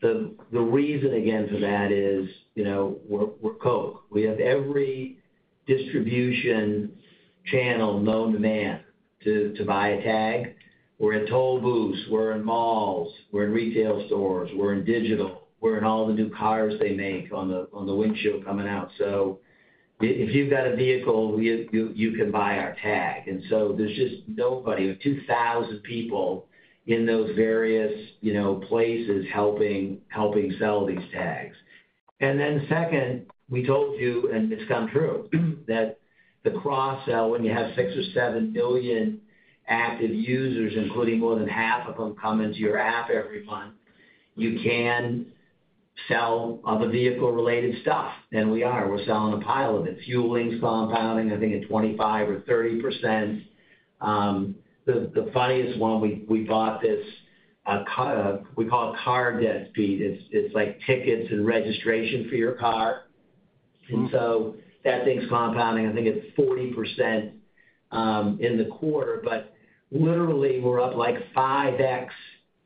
The reason again for that is, you know, we're Coke. We have every distribution channel known to man to buy a tag. We're in toll booths, we're in malls, we're in retail stores, we're in digital, we're in all the new cars they make on the windshield coming out. So if you've got a vehicle, we—you can buy our tag. And so there's just nobody, we have 2,000 people in those various, you know, places helping sell these tags. And then second, we told you, and it's come true, that the cross-sell, when you have 6 or 7 billion active users, including more than half of them, come into your app every month, you can sell other vehicle-related stuff, and we are. We're selling a pile of it. Fueling's compounding, I think, at 25% or 30%. The funniest one, we bought this, we call it Car Debt Feed. It's like tickets and registration for your car. And so that thing's compounding. I think it's 40% in the quarter, but literally, we're up like 5x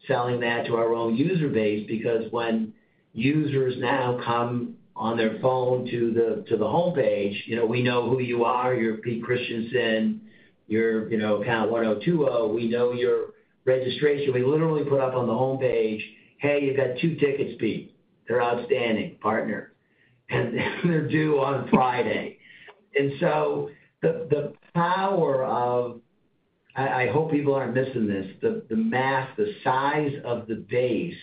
selling that to our own user base because when users now come on their phone to the home page, you know, we know who you are. You're Peter Christiansen, you're, you know, account 1020. We know your registration. We literally put up on the home page, "Hey, you got 2 tickets, Pete. They're outstanding, partner, and they're due on Friday." And so the power of... I hope people aren't missing this, the mass, the size of the base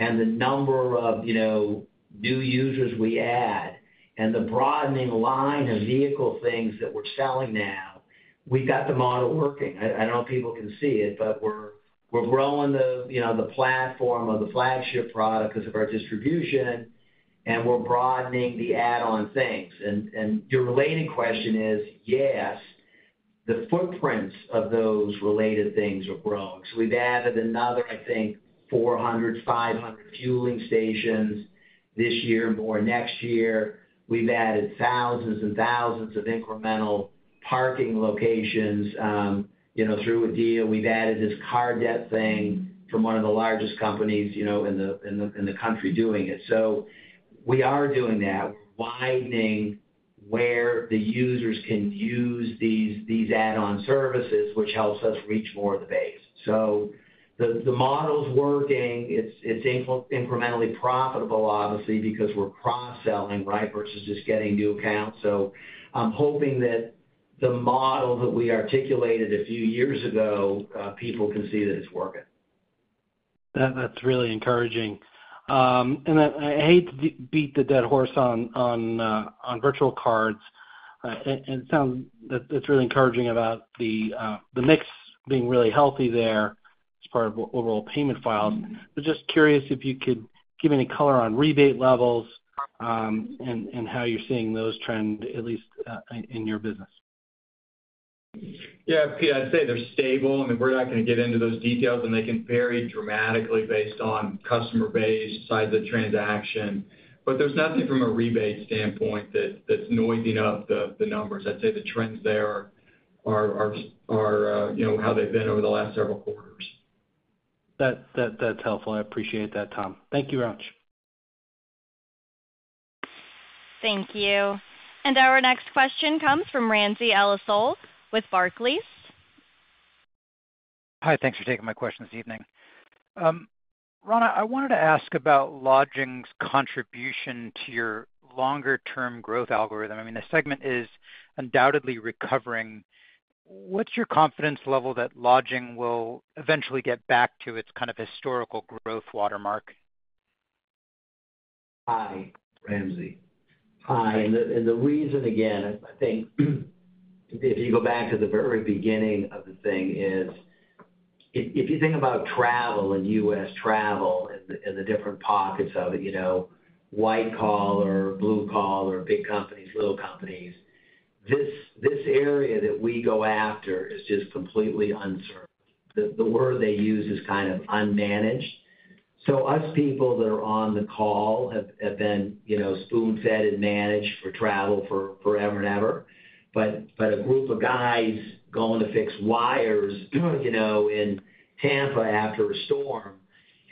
and the number of, you know, new users we add, and the broadening line of vehicle things that we're selling now, we've got the model working. I don't know if people can see it, but we're growing the, you know, the platform of the flagship product because of our distribution, and we're broadening the add-on things. And your related question is, yes, the footprints of those related things are growing. So we've added another, I think, 400, 500 fueling stations this year, more next year. We've added thousands and thousands of incremental parking locations, you know, through a deal. We've added this Car Debt Feed from one of the largest companies, you know, in the country doing it. So we are doing that, widening where the users can use these add-on services, which helps us reach more of the base. So the model's working. It's incrementally profitable, obviously, because we're cross-selling, right, versus just getting new accounts. So I'm hoping that the model that we articulated a few years ago, people can see that it's working. That, that's really encouraging. And I hate to beat the dead horse on virtual cards, and it sounds... That's really encouraging about the mix being really healthy there as part of overall payment files. But just curious if you could give any color on rebate levels, and how you're seeing those trend, at least, in your business. Yeah, Pete, I'd say they're stable. I mean, we're not gonna get into those details, and they can vary dramatically based on customer base, size of the transaction. But there's nothing from a rebate standpoint that's noising up the numbers. I'd say the trends there are, you know, how they've been over the last several quarters. That's helpful. I appreciate that, Tom. Thank you very much. Thank you. Our next question comes from Ramsey El-Assal with Barclays. Hi, thanks for taking my question this evening. Ron, I wanted to ask about Lodging's contribution to your longer-term growth algorithm. I mean, the segment is undoubtedly recovering. What's your confidence level that Lodging will eventually get back to its kind of historical growth watermark? Hi, Ramsey. Hi, and the reason, again, I think, if you go back to the very beginning of the thing, is if, if you think about travel and U.S. travel and the, and the different pockets of it, you know, white collar, blue collar, big companies, little companies, this, this area that we go after is just completely unserved. The, the word they use is kind of unmanaged. So us people that are on the call have, have been, you know, spoon-fed and managed for travel for forever and ever. But, but a group of guys going to fix wires, you know, in Tampa after a storm,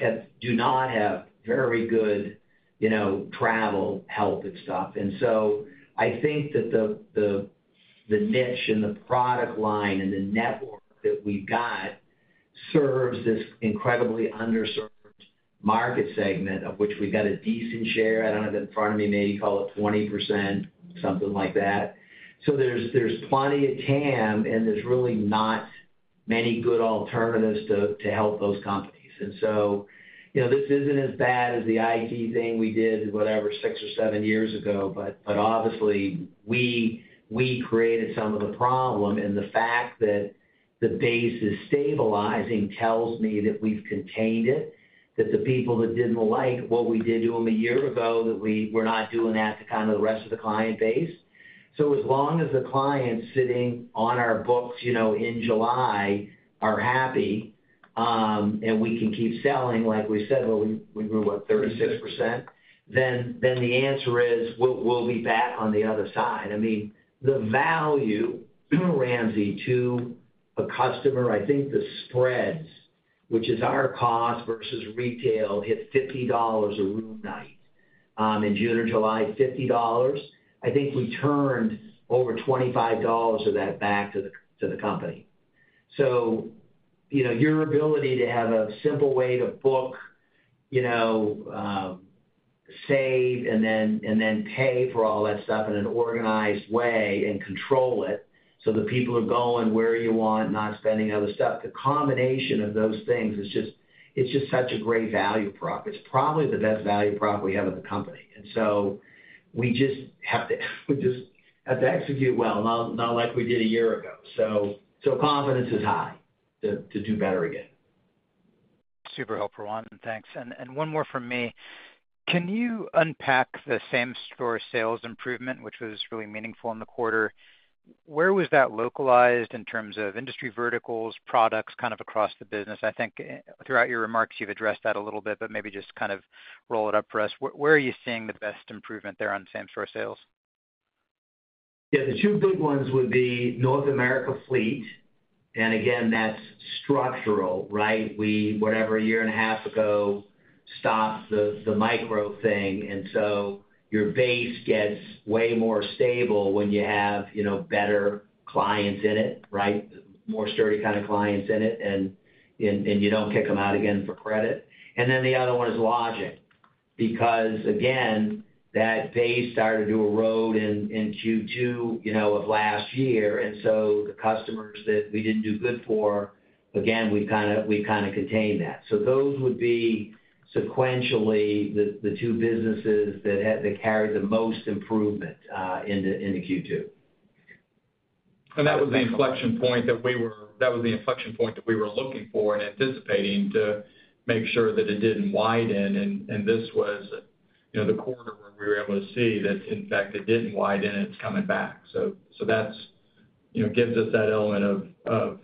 have- do not have very good, you know, travel help and stuff. And so I think that the niche and the product line and the network that we've got serves this incredibly underserved market segment, of which we've got a decent share. I don't have it in front of me, maybe call it 20%, something like that. So there's plenty of TAM, and there's really not many good alternatives to help those companies. And so, you know, this isn't as bad as the IT thing we did, whatever, six or seven years ago. But obviously, we created some of the problem, and the fact that the base is stabilizing tells me that we've contained it, that the people that didn't like what we did to them a year ago, that we're not doing that to kind of the rest of the client base. So as long as the clients sitting on our books, you know, in July are happy, and we can keep selling, like we said, when we grew, what, 36%? Then the answer is, we'll be back on the other side. I mean, the value, Ramsey, to a customer, I think the spreads, which is our cost versus retail, hit $50 a room night. In June or July, $50. I think we turned over $25 of that back to the, to the company. So, you know, your ability to have a simple way to book, you know, save, and then pay for all that stuff in an organized way and control it so the people are going where you want, not spending other stuff, the combination of those things is just—it's just such a great value prop. It's probably the best value prop we have at the company. And so we just have to, we just have to execute well, not, not like we did a year ago. So, so confidence is high to, to do better again. Super helpful, Ron. Thanks. And one more from me. Can you unpack the same-store sales improvement, which was really meaningful in the quarter?... where was that localized in terms of industry verticals, products, kind of across the business? I think, throughout your remarks, you've addressed that a little bit, but maybe just kind of roll it up for us. Where, where are you seeing the best improvement there on same-store sales? Yeah, the two big ones would be North America Fleet, and again, that's structural, right? We, whatever, a year and a half ago, stopped the micro thing, and so your base gets way more stable when you have, you know, better clients in it, right? More sturdy kind of clients in it, and you don't kick them out again for credit. And then the other one is Lodging, because, again, that base started to erode in Q2, you know, of last year. And so the customers that we didn't do good for, again, we've kind of contained that. So those would be sequentially the two businesses that carried the most improvement into Q2. That was the inflection point that we were looking for and anticipating to make sure that it didn't widen, and this was, you know, the quarter where we were able to see that, in fact, it didn't widen, and it's coming back. So that's, you know, gives us that element of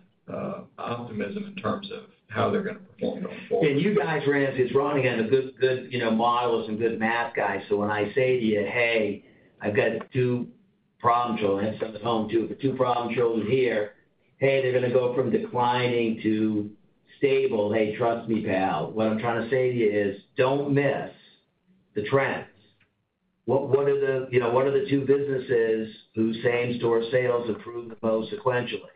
optimism in terms of how they're gonna perform going forward. And you guys, Ramsey, is running on a good, good, you know, models and good math guys. So when I say to you, "Hey, I've got two problem children," I have some at home, too, but two problem children here, "Hey, they're gonna go from declining to stable. Hey, trust me, pal." What I'm trying to say to you is, don't miss the trends. What are the, you know, two businesses whose same-store sales improved the most sequentially?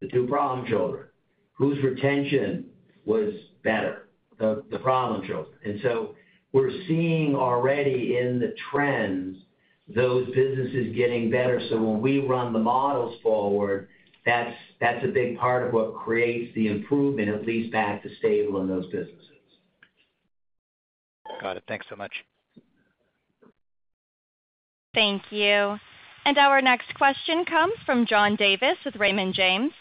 The two problem children. Whose retention was better? The problem children. And so we're seeing already in the trends, those businesses getting better. So when we run the models forward, that's a big part of what creates the improvement, at least back to stable in those businesses. Got it. Thanks so much. Thank you. And our next question comes from John Davis with Raymond James.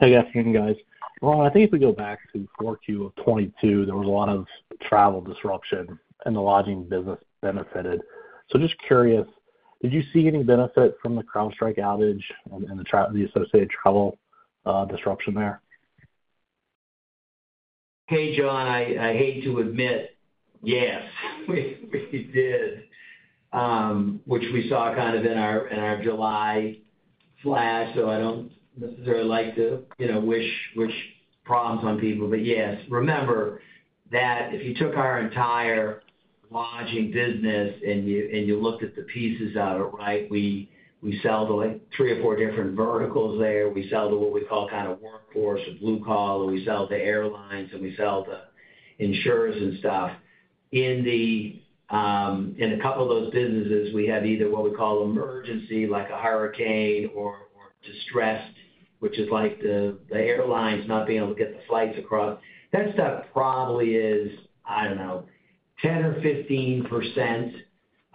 Hey, good afternoon, guys. Well, I think if we go back to 4Q of 2022, there was a lot of travel disruption, and the Lodging business benefited. So just curious, did you see any benefit from the CrowdStrike outage and the associated travel disruption there? Hey, John, I hate to admit, yes, we did, which we saw kind of in our July flash. So I don't necessarily like to, you know, wish problems on people, but yes. Remember that if you took our entire Lodging business and you looked at the pieces out, right? We sell to, like, three or four different verticals there. We sell to what we call kind of workforce or blue collar. We sell to airlines, and we sell to insurers and stuff. In a couple of those businesses, we have either what we call emergency, like a hurricane or distressed, which is like the airlines not being able to get the flights across. That stuff probably is, I don't know, 10 or 15%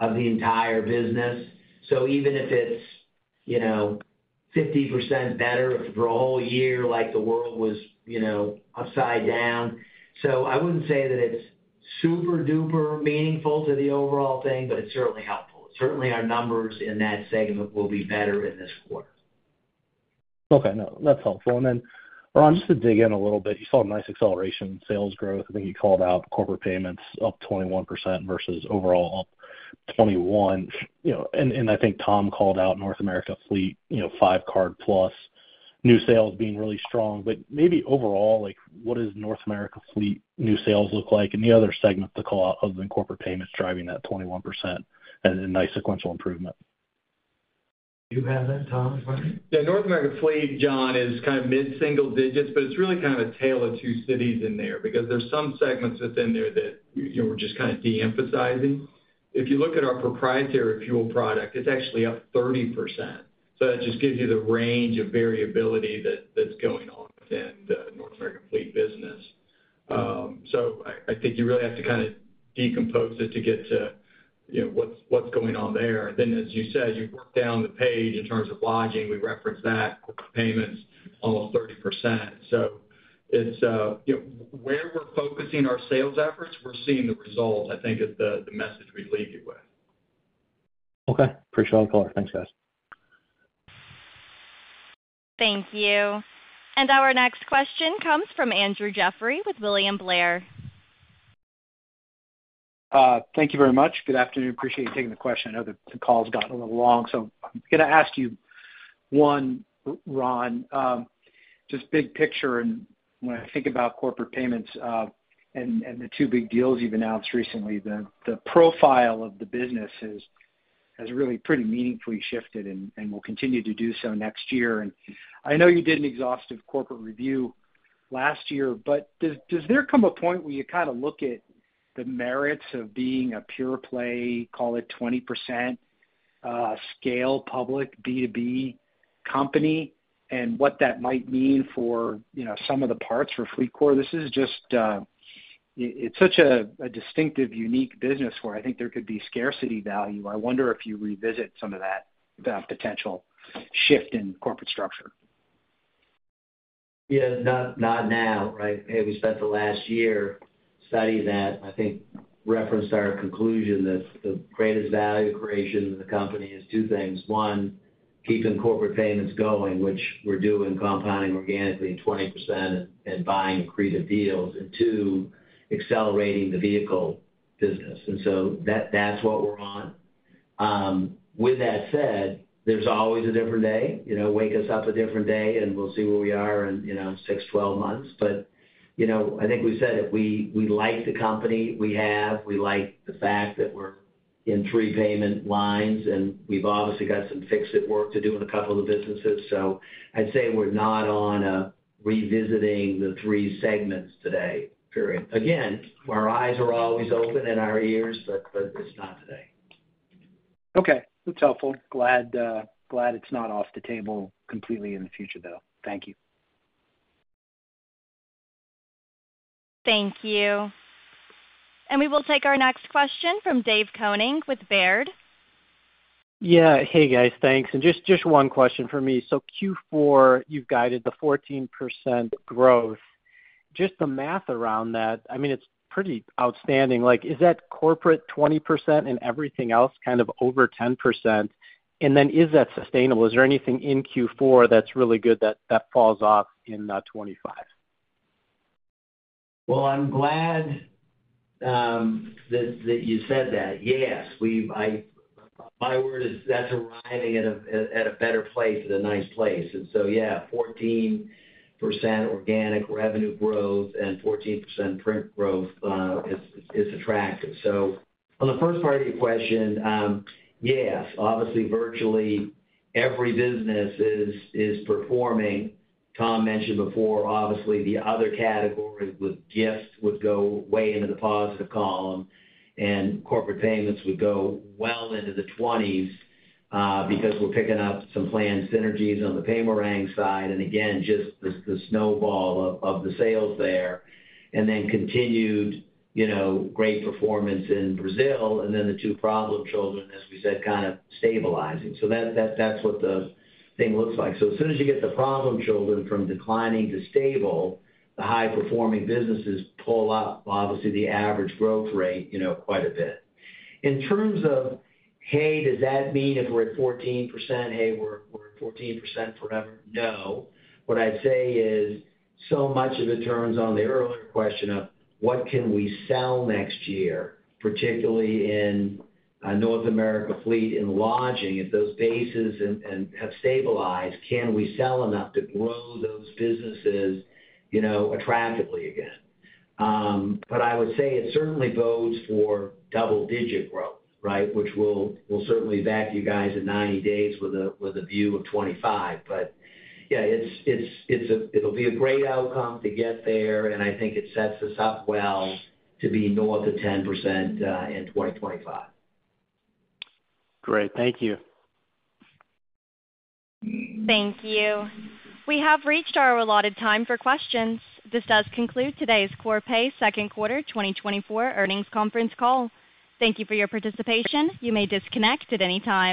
of the entire business. So even if it's, you know, 50% better for a whole year, like the world was, you know, upside down. So I wouldn't say that it's super-duper meaningful to the overall thing, but it's certainly helpful. Certainly, our numbers in that segment will be better in this quarter. Okay. No, that's helpful. And then, Ron, just to dig in a little bit, you saw a nice acceleration in sales growth. I think you called out Corporate Payments up 21% versus overall up 21%. You know, and, and I think Tom called out North America Fleet, you know, 5-card+, new sales being really strong. But maybe overall, like, what does North America Fleet new sales look like? Any other segments to call out other than Corporate Payments driving that 21% and a nice sequential improvement? Do you have that, Tom? Yeah, North America Fleet, John, is kind of mid-single digits, but it's really kind of a tale of two cities in there because there's some segments within there that, you know, we're just kind of de-emphasizing. If you look at our proprietary fuel product, it's actually up 30%. So that just gives you the range of variability that, that's going on within the North America Fleet business. So I think you really have to kind of decompose it to get to, you know, what's, what's going on there. Then, as you said, you work down the page in terms of Lodging, we referenced that, Corporate Payments, almost 30%. So it's, you know, where we're focusing our sales efforts, we're seeing the results, I think, is the, the message we'd leave you with. Okay, appreciate the call. Thanks, guys. Thank you. And our next question comes from Andrew Jeffrey with William Blair. Thank you very much. Good afternoon. Appreciate you taking the question. I know the call has gotten a little long, so I'm gonna ask you one, Ron, just big picture, and when I think about Corporate Payments, and the two big deals you've announced recently, the profile of the business has really pretty meaningfully shifted and will continue to do so next year. And I know you did an exhaustive corporate review last year, but does there come a point where you kind of look at the merits of being a pure play, call it 20%, scale, public, B2B company, and what that might mean for, you know, some of the parts for FleetCor? This is just, it's such a distinctive, unique business where I think there could be scarcity value. I wonder if you revisit some of that, potential shift in corporate structure.... Yeah, not now, right? Hey, we spent the last year studying that, and I think referenced our conclusion that the greatest value creation in the company is two things. One, keeping Corporate Payments going, which we're doing, compounding organically 20% and buying accretive deals. And two, accelerating the vehicle business. And so that's what we're on. With that said, there's always a different day. You know, wake us up a different day, and we'll see where we are in, you know, six, 12 months. But, you know, I think we said it, we like the company we have. We like the fact that we're in three payment lines, and we've obviously got some fix-it work to do in a couple of the businesses. So I'd say we're not on revisiting the three segments today, period. Again, our eyes are always open and our ears, but it's not today. Okay, that's helpful. Glad, glad it's not off the table completely in the future, though. Thank you. Thank you. We will take our next question from Dave Koning with Baird. Yeah. Hey, guys, thanks. And just, just one question for me. So Q4, you've guided the 14% growth. Just the math around that, I mean, it's pretty outstanding. Like, is that corporate 20% and everything else kind of over 10%? And then is that sustainable? Is there anything in Q4 that's really good that, that falls off in 2025? Well, I'm glad that you said that. Yes, we've my word is that's arriving at a better place, at a nice place. And so, yeah, 14% organic revenue growth and 14% EBITDA growth is attractive. So on the first part of your question, yes, obviously, virtually every business is performing. Tom mentioned before, obviously, the other categories with Gifts would go way into the positive column, and Corporate Payments would go well into the 20s, because we're picking up some planned synergies on the Paymerang side, and again, just the snowball of the sales there. And then continued, you know, great performance in Brazil, and then the two problem children, as we said, kind of stabilizing. So that, that's what the thing looks like. So as soon as you get the problem children from declining to stable, the high-performing businesses pull up, obviously, the average growth rate, you know, quite a bit. In terms of, hey, does that mean if we're at 14%, hey, we're, we're at 14% forever? No. What I'd say is, so much of it turns on the earlier question of what can we sell next year, particularly in North America Fleet and Lodging. If those bases and, and have stabilized, can we sell enough to grow those businesses, you know, attractively again? But I would say it certainly bodes for double-digit growth, right? Which we'll, we'll certainly back to you guys in 90 days with a, with a view of 2025. Yeah, it's a great outcome to get there, and I think it sets us up well to be north of 10% in 2025. Great. Thank you. Thank you. We have reached our allotted time for questions. This does conclude today's Corpay second quarter 2024 earnings conference call. Thank you for your participation. You may disconnect at any time.